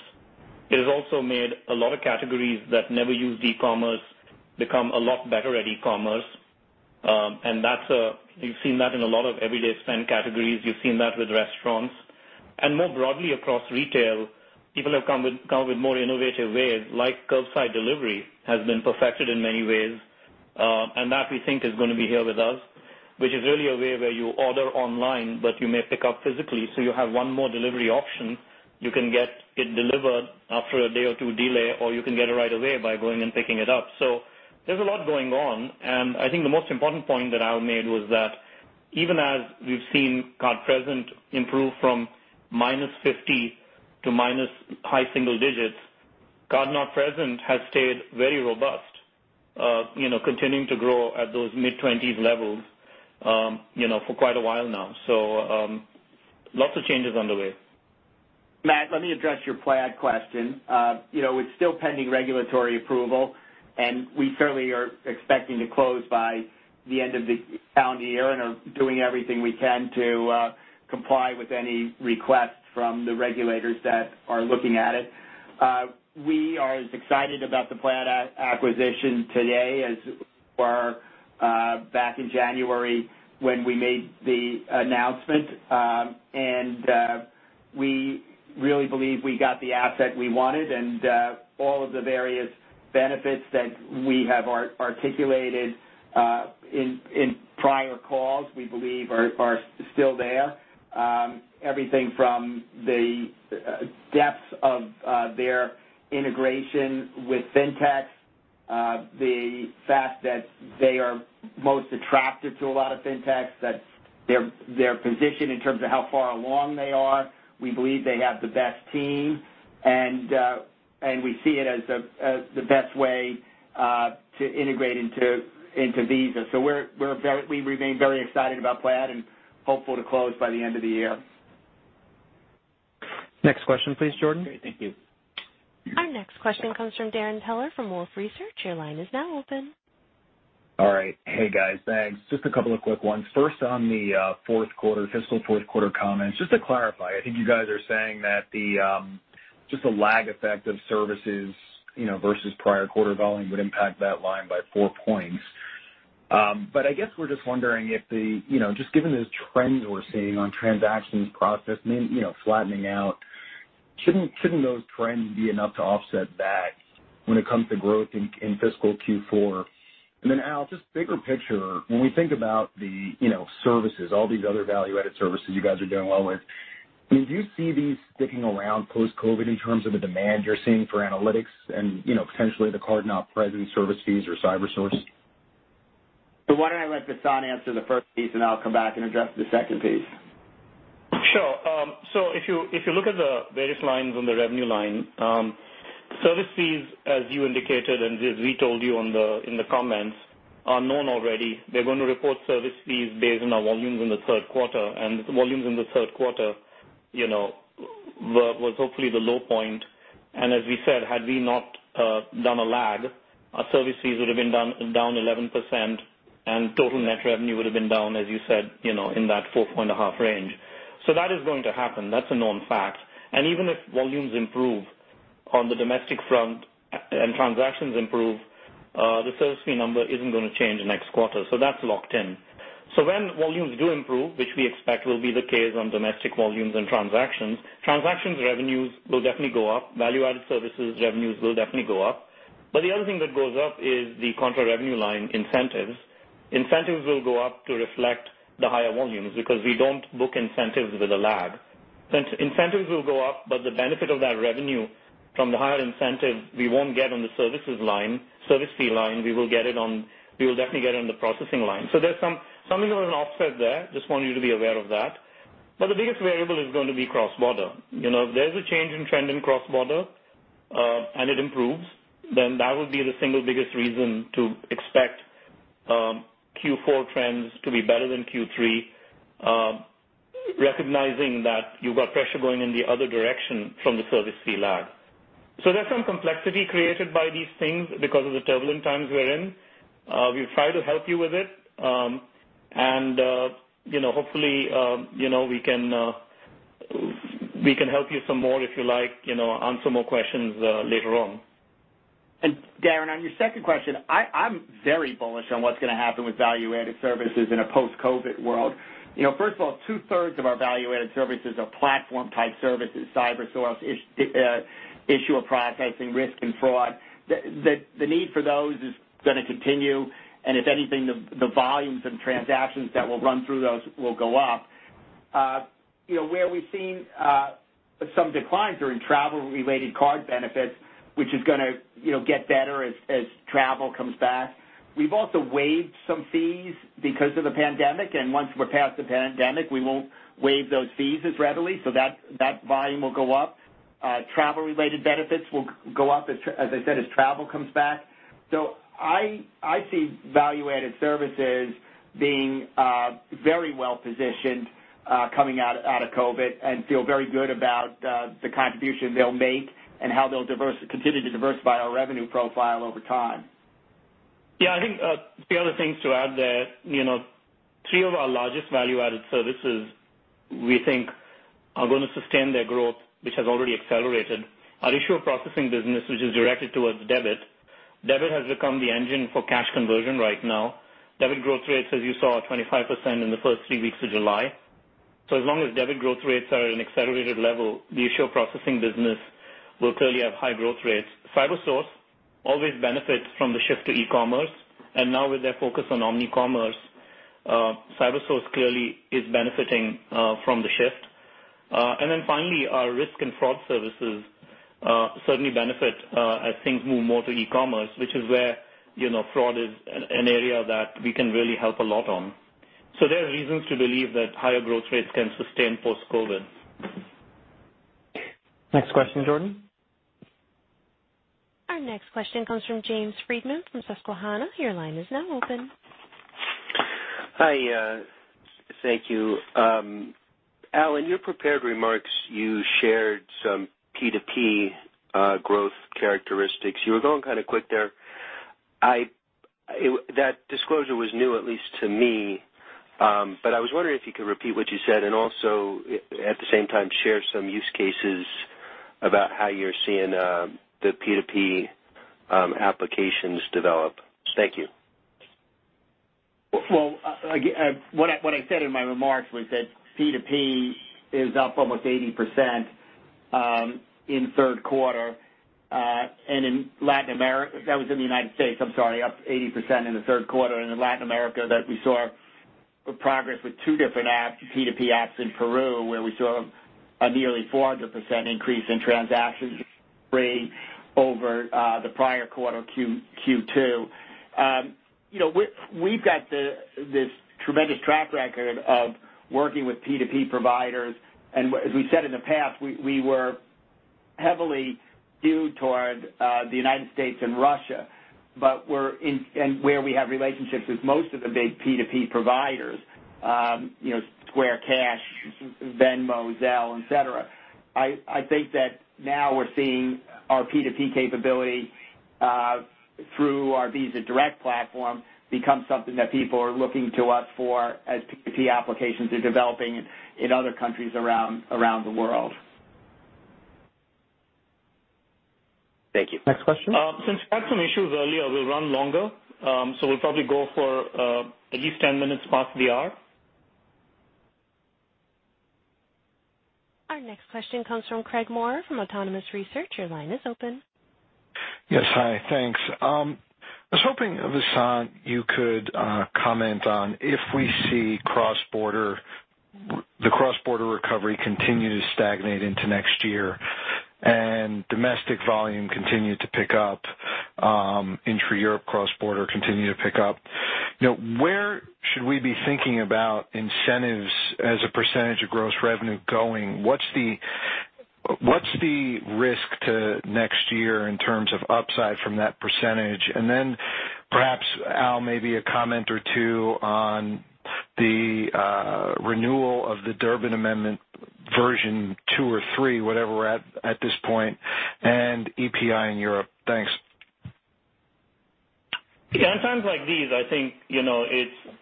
It has also made a lot of categories that never used e-commerce become a lot better at e-commerce. You've seen that in a lot of everyday spend categories. You've seen that with restaurants. More broadly across retail, people have come with more innovative ways, like curbside delivery has been perfected in many ways. That we think is going to be here with us, which is really a way where you order online, but you may pick up physically, so you have one more delivery option. You can get it delivered after a day or two delay, or you can get it right away by going and picking it up. There's a lot going on, and I think the most important point that Al made was that even as we've seen card-present improve from -50 to minus high single digits, card-not-present has stayed very robust, continuing to grow at those mid-20s levels for quite a while now. Lots of changes underway. Matt, let me address your Plaid question. It's still pending regulatory approval, and we certainly are expecting to close by the end of the calendar year and are doing everything we can to comply with any requests from the regulators that are looking at it. We are as excited about the Plaid acquisition today as we were back in January when we made the announcement. We really believe we got the asset we wanted and all of the various benefits that we have articulated in prior calls, we believe are still there. Everything from the depth of their integration with Fintechs, the fact that they are most attractive to a lot of Fintechs, that their position in terms of how far along they are, we believe they have the best team, and we see it as the best way to integrate into Visa. We remain very excited about Plaid and hopeful to close by the end of the year. Next question, please, Jordan. Great. Thank you. Our next question comes from Darrin Peller from Wolfe Research. Your line is now open. All right. Hey, guys. Thanks. Just a couple of quick ones. On the fiscal fourth quarter comments, just to clarify, I think you guys are saying that just the lag effect of services versus prior quarter volume would impact that line by 4 points. I guess we're just wondering if just given those trends we're seeing on transactions processing flattening out, shouldn't those trends be enough to offset that when it comes to growth in fiscal Q4? Al, just bigger picture, when we think about the services, all these other value-added services you guys are doing well with, do you see these sticking around post-COVID in terms of the demand you're seeing for analytics and potentially the card-not-present service fees or CyberSource? Why don't I let Vasan answer the first piece, and I'll come back and address the second piece. Sure. If you look at the various lines on the revenue line, service fees, as you indicated, and as we told you in the comments, are known already. We're going to report service fees based on our volumes in the third quarter, and volumes in the third quarter was hopefully the low point. As we said, had we not done a lag, our service fees would've been down 11% and total net revenue would've been down, as you said, in that four-point a half range. That is going to happen. That's a known fact. Even if volumes improve on the domestic front and transactions improve, the service fee number isn't going to change next quarter. That's locked in. When volumes do improve, which we expect will be the case on domestic volumes and transactions revenues will definitely go up. Value-added services revenues will definitely go up. The other thing that goes up is the contra revenue line incentives. Incentives will go up to reflect the higher volumes because we don't book incentives with a lag. Incentives will go up, but the benefit of that revenue from the higher incentive, we won't get on the service fee line. We will definitely get it on the processing line. There's some sort of an offset there. I just want you to be aware of that. The biggest variable is going to be cross-border. If there's a change in trend in cross-border, and it improves, then that would be the single biggest reason to expect Q4 trends to be better than Q3, recognizing that you've got pressure going in the other direction from the service fee lag. There's some complexity created by these things because of the turbulent times we're in. We'll try to help you with it, and hopefully, we can help you some more if you like, answer more questions later on. Darrin, on your second question, I'm very bullish on what's going to happen with value-added services in a post-COVID world. First of all, two-thirds of our value-added services are platform-type services, CyberSource, issuer processing, risk and fraud. The need for those is going to continue, and if anything, the volumes and transactions that will run through those will go up. Where we've seen some declines are in travel-related card benefits, which is going to get better as travel comes back. We've also waived some fees because of the pandemic, and once we're past the pandemic, we won't waive those fees as readily, so that volume will go up. Travel-related benefits will go up, as I said, as travel comes back. I see value-added services being very well-positioned coming out of COVID-19 and feel very good about the contribution they'll make and how they'll continue to diversify our revenue profile over time. I think the other things to add there, three of our largest value-added services, we think are going to sustain their growth, which has already accelerated. Our issuer processing business, which is directed towards debit. Debit has become the engine for cash conversion right now. Debit growth rates, as you saw, are 25% in the first three weeks of July. As long as debit growth rates are at an accelerated level, the issuer processing business will clearly have high growth rates. CyberSource always benefits from the shift to e-commerce, and now with their focus on omni-commerce, CyberSource clearly is benefiting from the shift. Finally, our risk and fraud services certainly benefit as things move more to e-commerce, which is where fraud is an area that we can really help a lot on. There are reasons to believe that higher growth rates can sustain post-COVID. Next question, Jordan. Our next question comes from James Friedman from Susquehanna. Your line is now open. Hi. Thank you. Al, in your prepared remarks, you shared some P2P growth characteristics. You were going kind of quick there. That disclosure was new, at least to me, but I was wondering if you could repeat what you said and also, at the same time, share some use cases about how you're seeing the P2P applications develop. Thank you. Well, what I said in my remarks was that P2P is up almost 80% in the third quarter. That was in the U.S., I'm sorry, up 80% in the third quarter. In Latin America, we saw progress with two different apps, P2P apps in Peru, where we saw a nearly 400% increase in transactions rate over the prior quarter, Q2. We've got this tremendous track record of working with P2P providers, and as we said in the past, we were heavily skewed toward the U.S. and Russia. Where we have relationships with most of the big P2P providers, Square, Cash App, Venmo, Zelle, et cetera. I think that now we're seeing our P2P capability through our Visa Direct platform become something that people are looking to us for as P2P applications are developing in other countries around the world. Thank you. Next question. Since we had some issues earlier, we'll run longer. We'll probably go for at least 10 minutes past the hour. Our next question comes from Craig Maurer from Autonomous Research. Your line is open. Yes, hi. Thanks. I was hoping, Vasant, you could comment on if we see the cross-border recovery continue to stagnate into next year and domestic volume continue to pick up, intra-Europe cross-border continue to pick up. Where should we be thinking about incentives as a percentage of gross revenue going? What's the risk to next year in terms of upside from that percentage? Perhaps, Al, maybe a comment or two on the renewal of the Durbin Amendment version two or three, whatever we're at this point, and EPI in Europe. Thanks. Yeah. In times like these, I think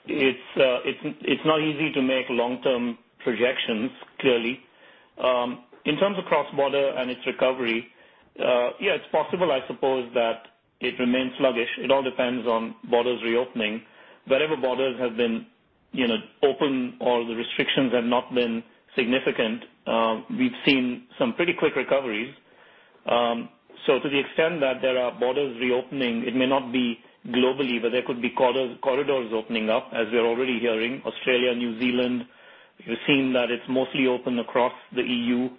it's not easy to make long-term projections, clearly. In terms of cross-border and its recovery, yeah, it's possible, I suppose, that it remains sluggish. It all depends on borders reopening. Wherever borders have been open or the restrictions have not been significant, we've seen some pretty quick recoveries. To the extent that there are borders reopening, it may not be globally, but there could be corridors opening up, as we're already hearing, Australia, New Zealand. We're seeing that it's mostly open across the EU.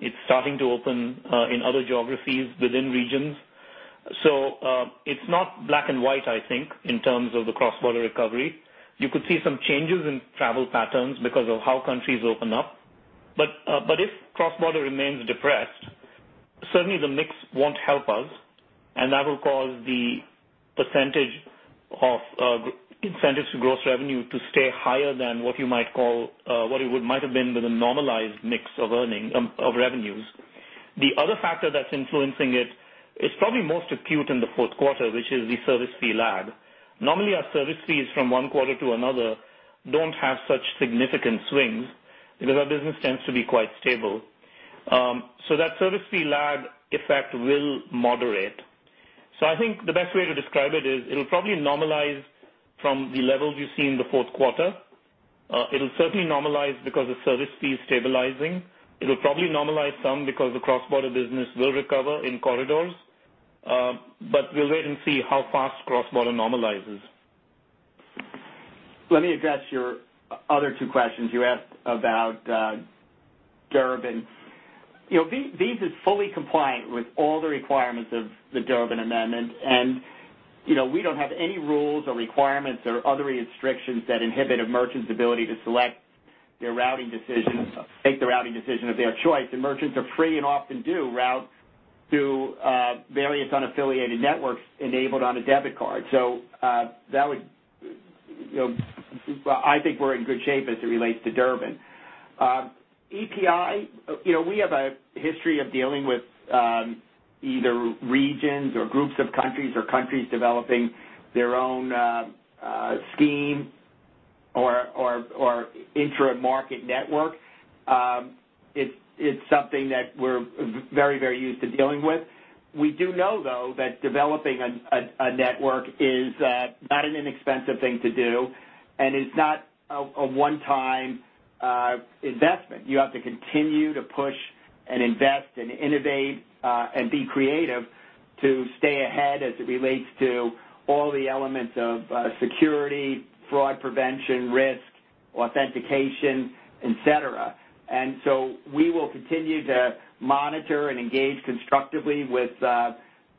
It's starting to open in other geographies within regions. It's not black and white, I think, in terms of the cross-border recovery. You could see some changes in travel patterns because of how countries open up. If cross-border remains depressed, certainly the mix won't help us, and that will cause the percentage of incentives to gross revenue to stay higher than what it might have been with a normalized mix of revenues. The other factor that's influencing it is probably most acute in the fourth quarter, which is the service fee lag. Normally, our service fees from one quarter to another don't have such significant swings because our business tends to be quite stable. That service fee lag effect will moderate. I think the best way to describe it is it'll probably normalize from the levels you see in the fourth quarter. It'll certainly normalize because the service fee is stabilizing. It'll probably normalize some because the cross-border business will recover in corridors. We'll wait and see how fast cross-border normalizes. Let me address your other two questions. You asked about Durbin. Visa is fully compliant with all the requirements of the Durbin Amendment. We don't have any rules or requirements or other restrictions that inhibit a merchant's ability to select their routing decisions, make the routing decision of their choice, and merchants are free and often do route through various unaffiliated networks enabled on a debit card. I think we're in good shape as it relates to Durbin. EPI, we have a history of dealing with either regions or groups of countries or countries developing their own scheme or intra-market network. It's something that we're very used to dealing with. We do know, though, that developing a network is not an inexpensive thing to do, and it's not a one-time investment. You have to continue to push and invest and innovate and be creative to stay ahead as it relates to all the elements of security, fraud prevention, risk, authentication, et cetera. We will continue to monitor and engage constructively with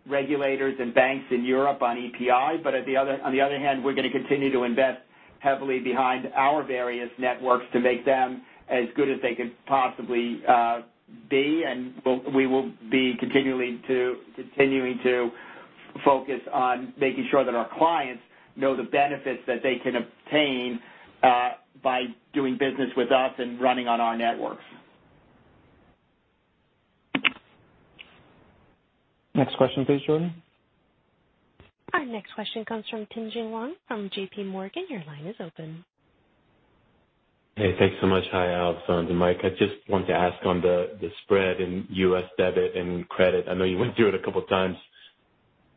regulators and banks in Europe on EPI. On the other hand, we're going to continue to invest heavily behind our various networks to make them as good as they could possibly be. We will be continuing to focus on making sure that our clients know the benefits that they can obtain by doing business with us and running on our networks. Next question, please, Jordan. Our next question comes from Tien-Tsin Huang from JPMorgan. Your line is open. Hey, thanks so much. Hi, Alasdair and Mike. I just wanted to ask on the spread in U.S. debit and credit. I know you went through it a couple of times,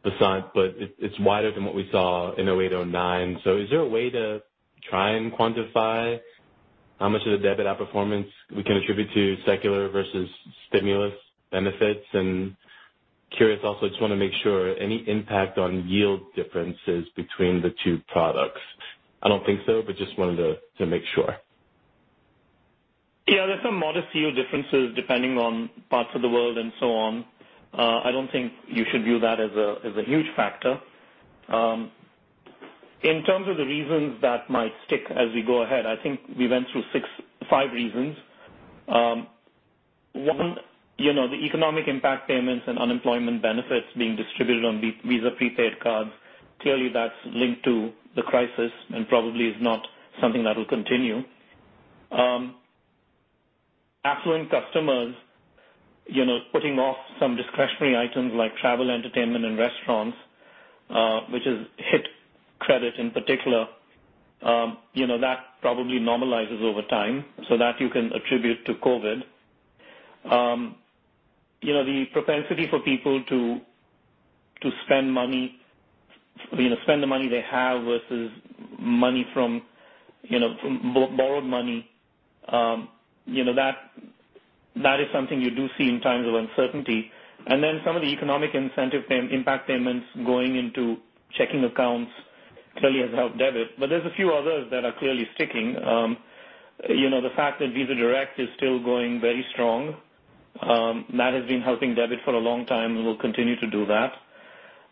Alasdair, but it's wider than what we saw in 2008, 2009. Is there a way to try and quantify how much of the debit outperformance we can attribute to secular versus stimulus benefits? Curious also, just want to make sure, any impact on yield differences between the two products? I don't think so, but just wanted to make sure. Yeah, there's some modest yield differences depending on parts of the world and so on. I don't think you should view that as a huge factor. In terms of the reasons that might stick as we go ahead, I think we went through five reasons. One, the economic impact payments and unemployment benefits being distributed on Visa prepaid cards. Clearly, that's linked to the crisis and probably is not something that will continue. Affluent customers putting off some discretionary items like travel, entertainment, and restaurants, which has hit credit in particular. That probably normalizes over time, so that you can attribute to COVID. The propensity for people to spend the money they have versus borrowed money, that is something you do see in times of uncertainty. Some of the economic incentive impact payments going into checking accounts clearly has helped debit. There's a few others that are clearly sticking. The fact that Visa Direct is still going very strong. That has been helping debit for a long time and will continue to do that.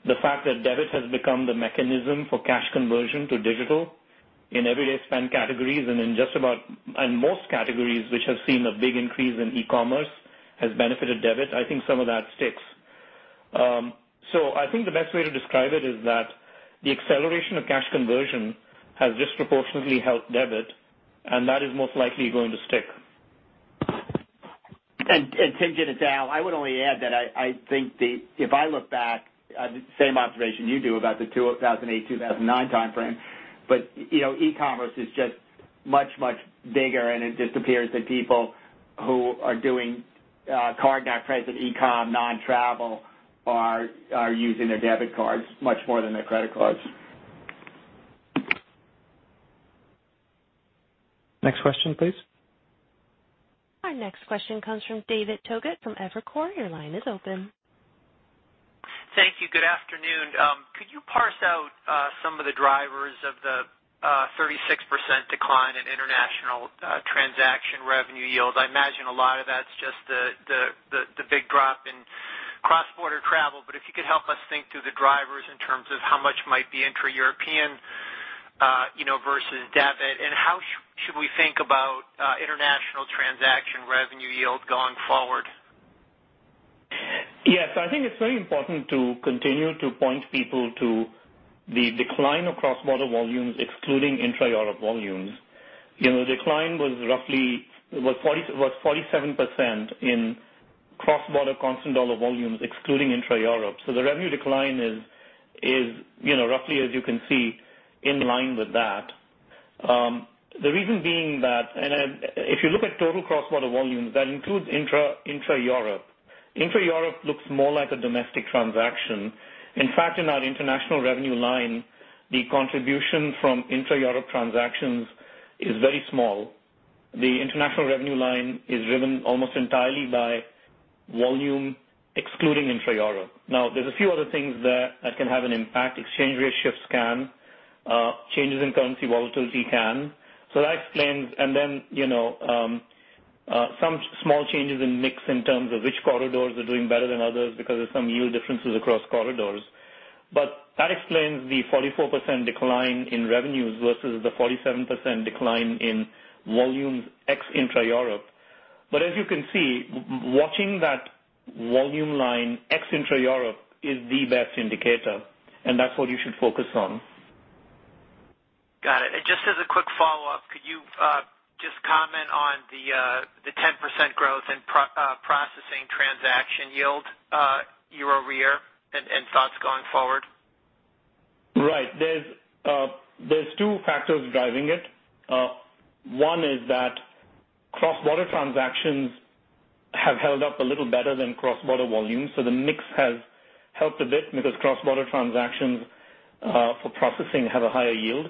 The fact that debit has become the mechanism for cash conversion to digital in everyday spend categories and in most categories which have seen a big increase in e-commerce, has benefited debit. I think some of that sticks. I think the best way to describe it is that the acceleration of cash conversion has disproportionately helped debit, and that is most likely going to stick. Tien-Tsin, it's Al. I would only add that I think if I look back, same observation you do about the 2008, 2009 timeframe. E-commerce is just much bigger, and it just appears that people who are doing card-not-present e-com, non-travel are using their debit cards much more than their credit cards. Next question, please. Our next question comes from David Togut from Evercore. Your line is open. Thank you. Good afternoon. Could you parse out some of the drivers of the 36% decline in international transaction revenue yield? I imagine a lot of that's just the big drop in cross-border travel. If you could help us think through the drivers in terms of how much might be intra-European versus debit, and how should we think about international transaction revenue yield going forward? Yes. I think it's very important to continue to point people to the decline of cross-border volumes, excluding intra-Europe volumes. The decline was roughly 47% in cross-border constant dollar volumes, excluding intra-Europe. The revenue decline is roughly, as you can see, in line with that. The reason being that if you look at total cross-border volumes, that includes intra-Europe. Intra-Europe looks more like a domestic transaction. In fact, in our international revenue line, the contribution from intra-Europe transactions is very small. The international revenue line is driven almost entirely by volume, excluding intra-Europe. There's a few other things there that can have an impact. Exchange rate shifts can. Changes in currency volatility can. That explains, and then some small changes in mix in terms of which corridors are doing better than others because of some yield differences across corridors. That explains the 44% decline in revenues versus the 47% decline in volumes ex-intra Europe. As you can see, watching that volume line ex-intra Europe is the best indicator, and that's what you should focus on. Got it. Just as a quick follow-up, could you just comment on the 10% growth in processing transaction yield year-over-year and thoughts going forward? Right. There's two factors driving it. One is that cross-border transactions have held up a little better than cross-border volumes, so the mix has helped a bit because cross-border transactions for processing have a higher yield.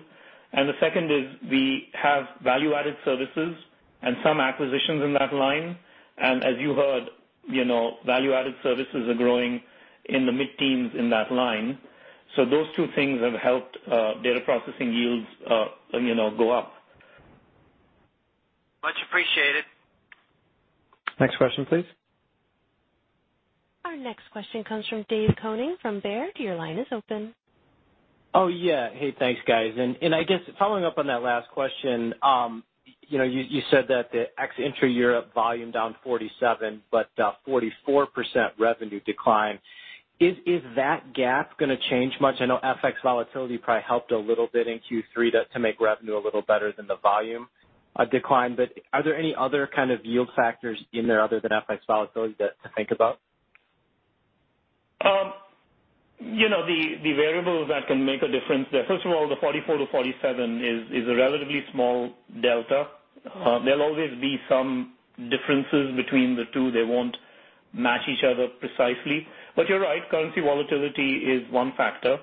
The second is we have value-added services and some acquisitions in that line. As you heard, value-added services are growing in the mid-teens in that line. Those two things have helped data processing yields go up. Much appreciated. Next question, please. Our next question comes from Dave Koning from Baird. Your line is open. Oh, yeah. Hey, thanks, guys. I guess following up on that last question, you said that the ex-intra Europe volume down 47% but 44% revenue decline. Is that gap going to change much? I know FX volatility probably helped a little bit in Q3 to make revenue a little better than the volume decline. Are there any other kind of yield factors in there other than FX volatility to think about? The variables that can make a difference there, first of all, the 44%-47% is a relatively small delta. There'll always be some differences between the two. They won't match each other precisely. You're right, currency volatility is one factor.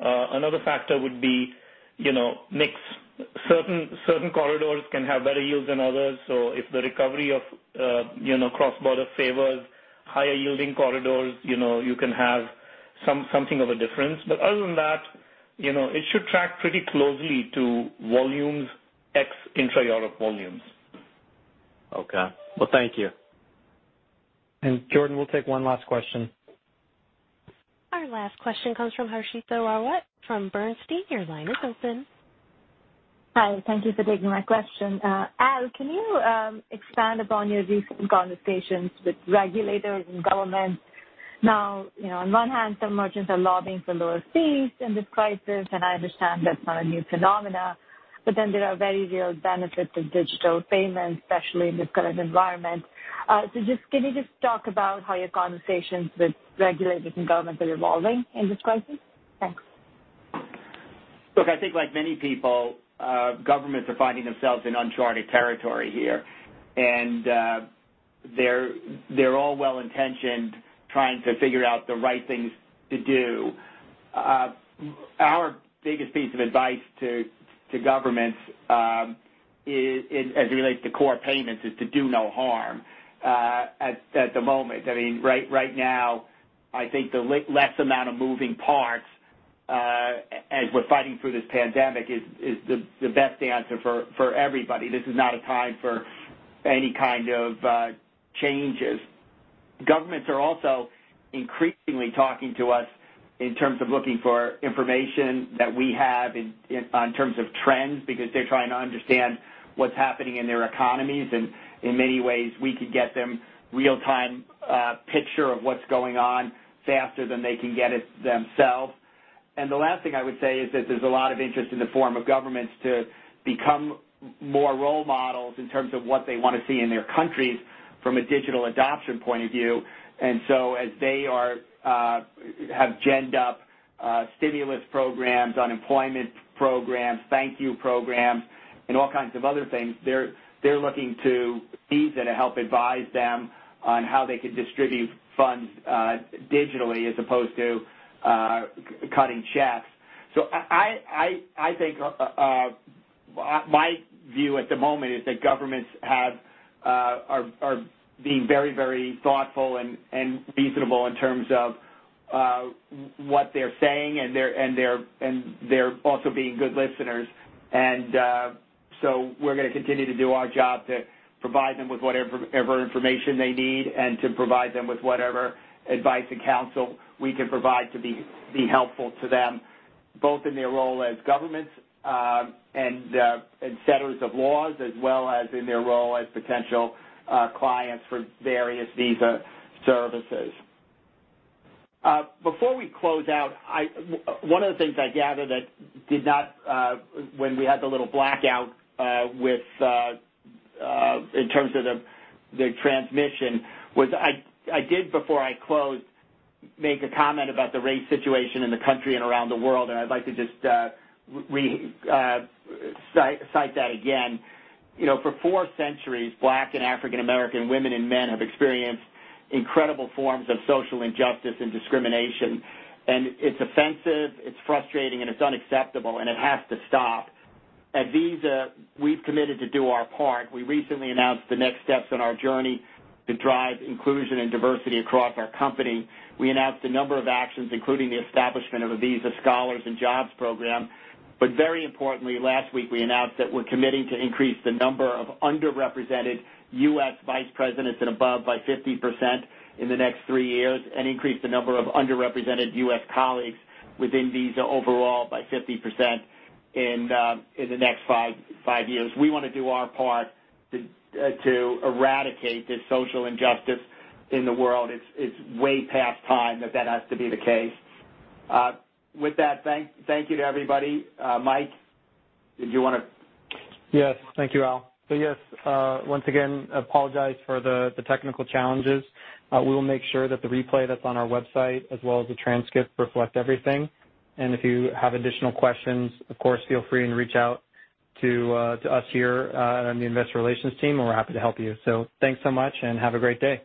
Another factor would be mix. Certain corridors can have better yields than others. If the recovery of cross-border favors higher-yielding corridors, you can have something of a difference. Other than that, it should track pretty closely to volumes, ex-intra Europe volumes. Okay. Well, thank you. Jordan, we'll take one last question. Our last question comes from Harshita Rawat from Bernstein. Your line is open. Hi. Thank you for taking my question. Al, can you expand upon your recent conversations with regulators and governments? On one hand, some merchants are lobbying for lower fees in this crisis, and I understand that's not a new phenomena, but then there are very real benefits of digital payments, especially in this current environment. Can you just talk about how your conversations with regulators and governments are evolving in this crisis? Thanks. Look, I think like many people, governments are finding themselves in uncharted territory here, and they're all well-intentioned trying to figure out the right things to do. Our biggest piece of advice to governments as it relates to core payments is to do no harm at the moment. Right now, I think the less amount of moving parts as we're fighting through this pandemic is the best answer for everybody. This is not a time for any kind of changes. Governments are also increasingly talking to us in terms of looking for information that we have in terms of trends, because they're trying to understand what's happening in their economies, and in many ways, we could get them real-time picture of what's going on faster than they can get it themselves. The last thing I would say is that there's a lot of interest in the form of governments to become more role models in terms of what they want to see in their countries from a digital adoption point of view. As they have genned up stimulus programs, unemployment programs, thank you programs, and all kinds of other things, they're looking to Visa to help advise them on how they could distribute funds digitally as opposed to cutting checks. I think my view at the moment is that governments are being very thoughtful and reasonable in terms of what they're saying, and they're also being good listeners. We're going to continue to do our job to provide them with whatever information they need and to provide them with whatever advice and counsel we can provide to be helpful to them, both in their role as governments and setters of laws, as well as in their role as potential clients for various Visa services. Before we close out, one of the things I gathered when we had the little blackout in terms of the transmission was I did, before I closed, make a comment about the race situation in the country and around the world, and I'd like to just cite that again. For four centuries, Black and African American women and men have experienced incredible forms of social injustice and discrimination, and it's offensive, it's frustrating, and it's unacceptable, and it has to stop. At Visa, we've committed to do our part. We recently announced the next steps on our journey to drive inclusion and diversity across our company. We announced a number of actions, including the establishment of a Visa Scholars and Jobs program. Very importantly, last week, we announced that we're committing to increase the number of underrepresented U.S. vice presidents and above by 50% in the next three years and increase the number of underrepresented U.S. colleagues within Visa overall by 50% in the next five years. We want to do our part to eradicate this social injustice in the world. It's way past time that that has to be the case. With that, thank you to everybody. Mike, did you want to- Yes. Thank you, Al. Yes, once again, apologize for the technical challenges. We will make sure that the replay that's on our website as well as the transcript reflect everything. If you have additional questions, of course, feel free and reach out to us here on the investor relations team, and we're happy to help you. Thanks so much, and have a great day.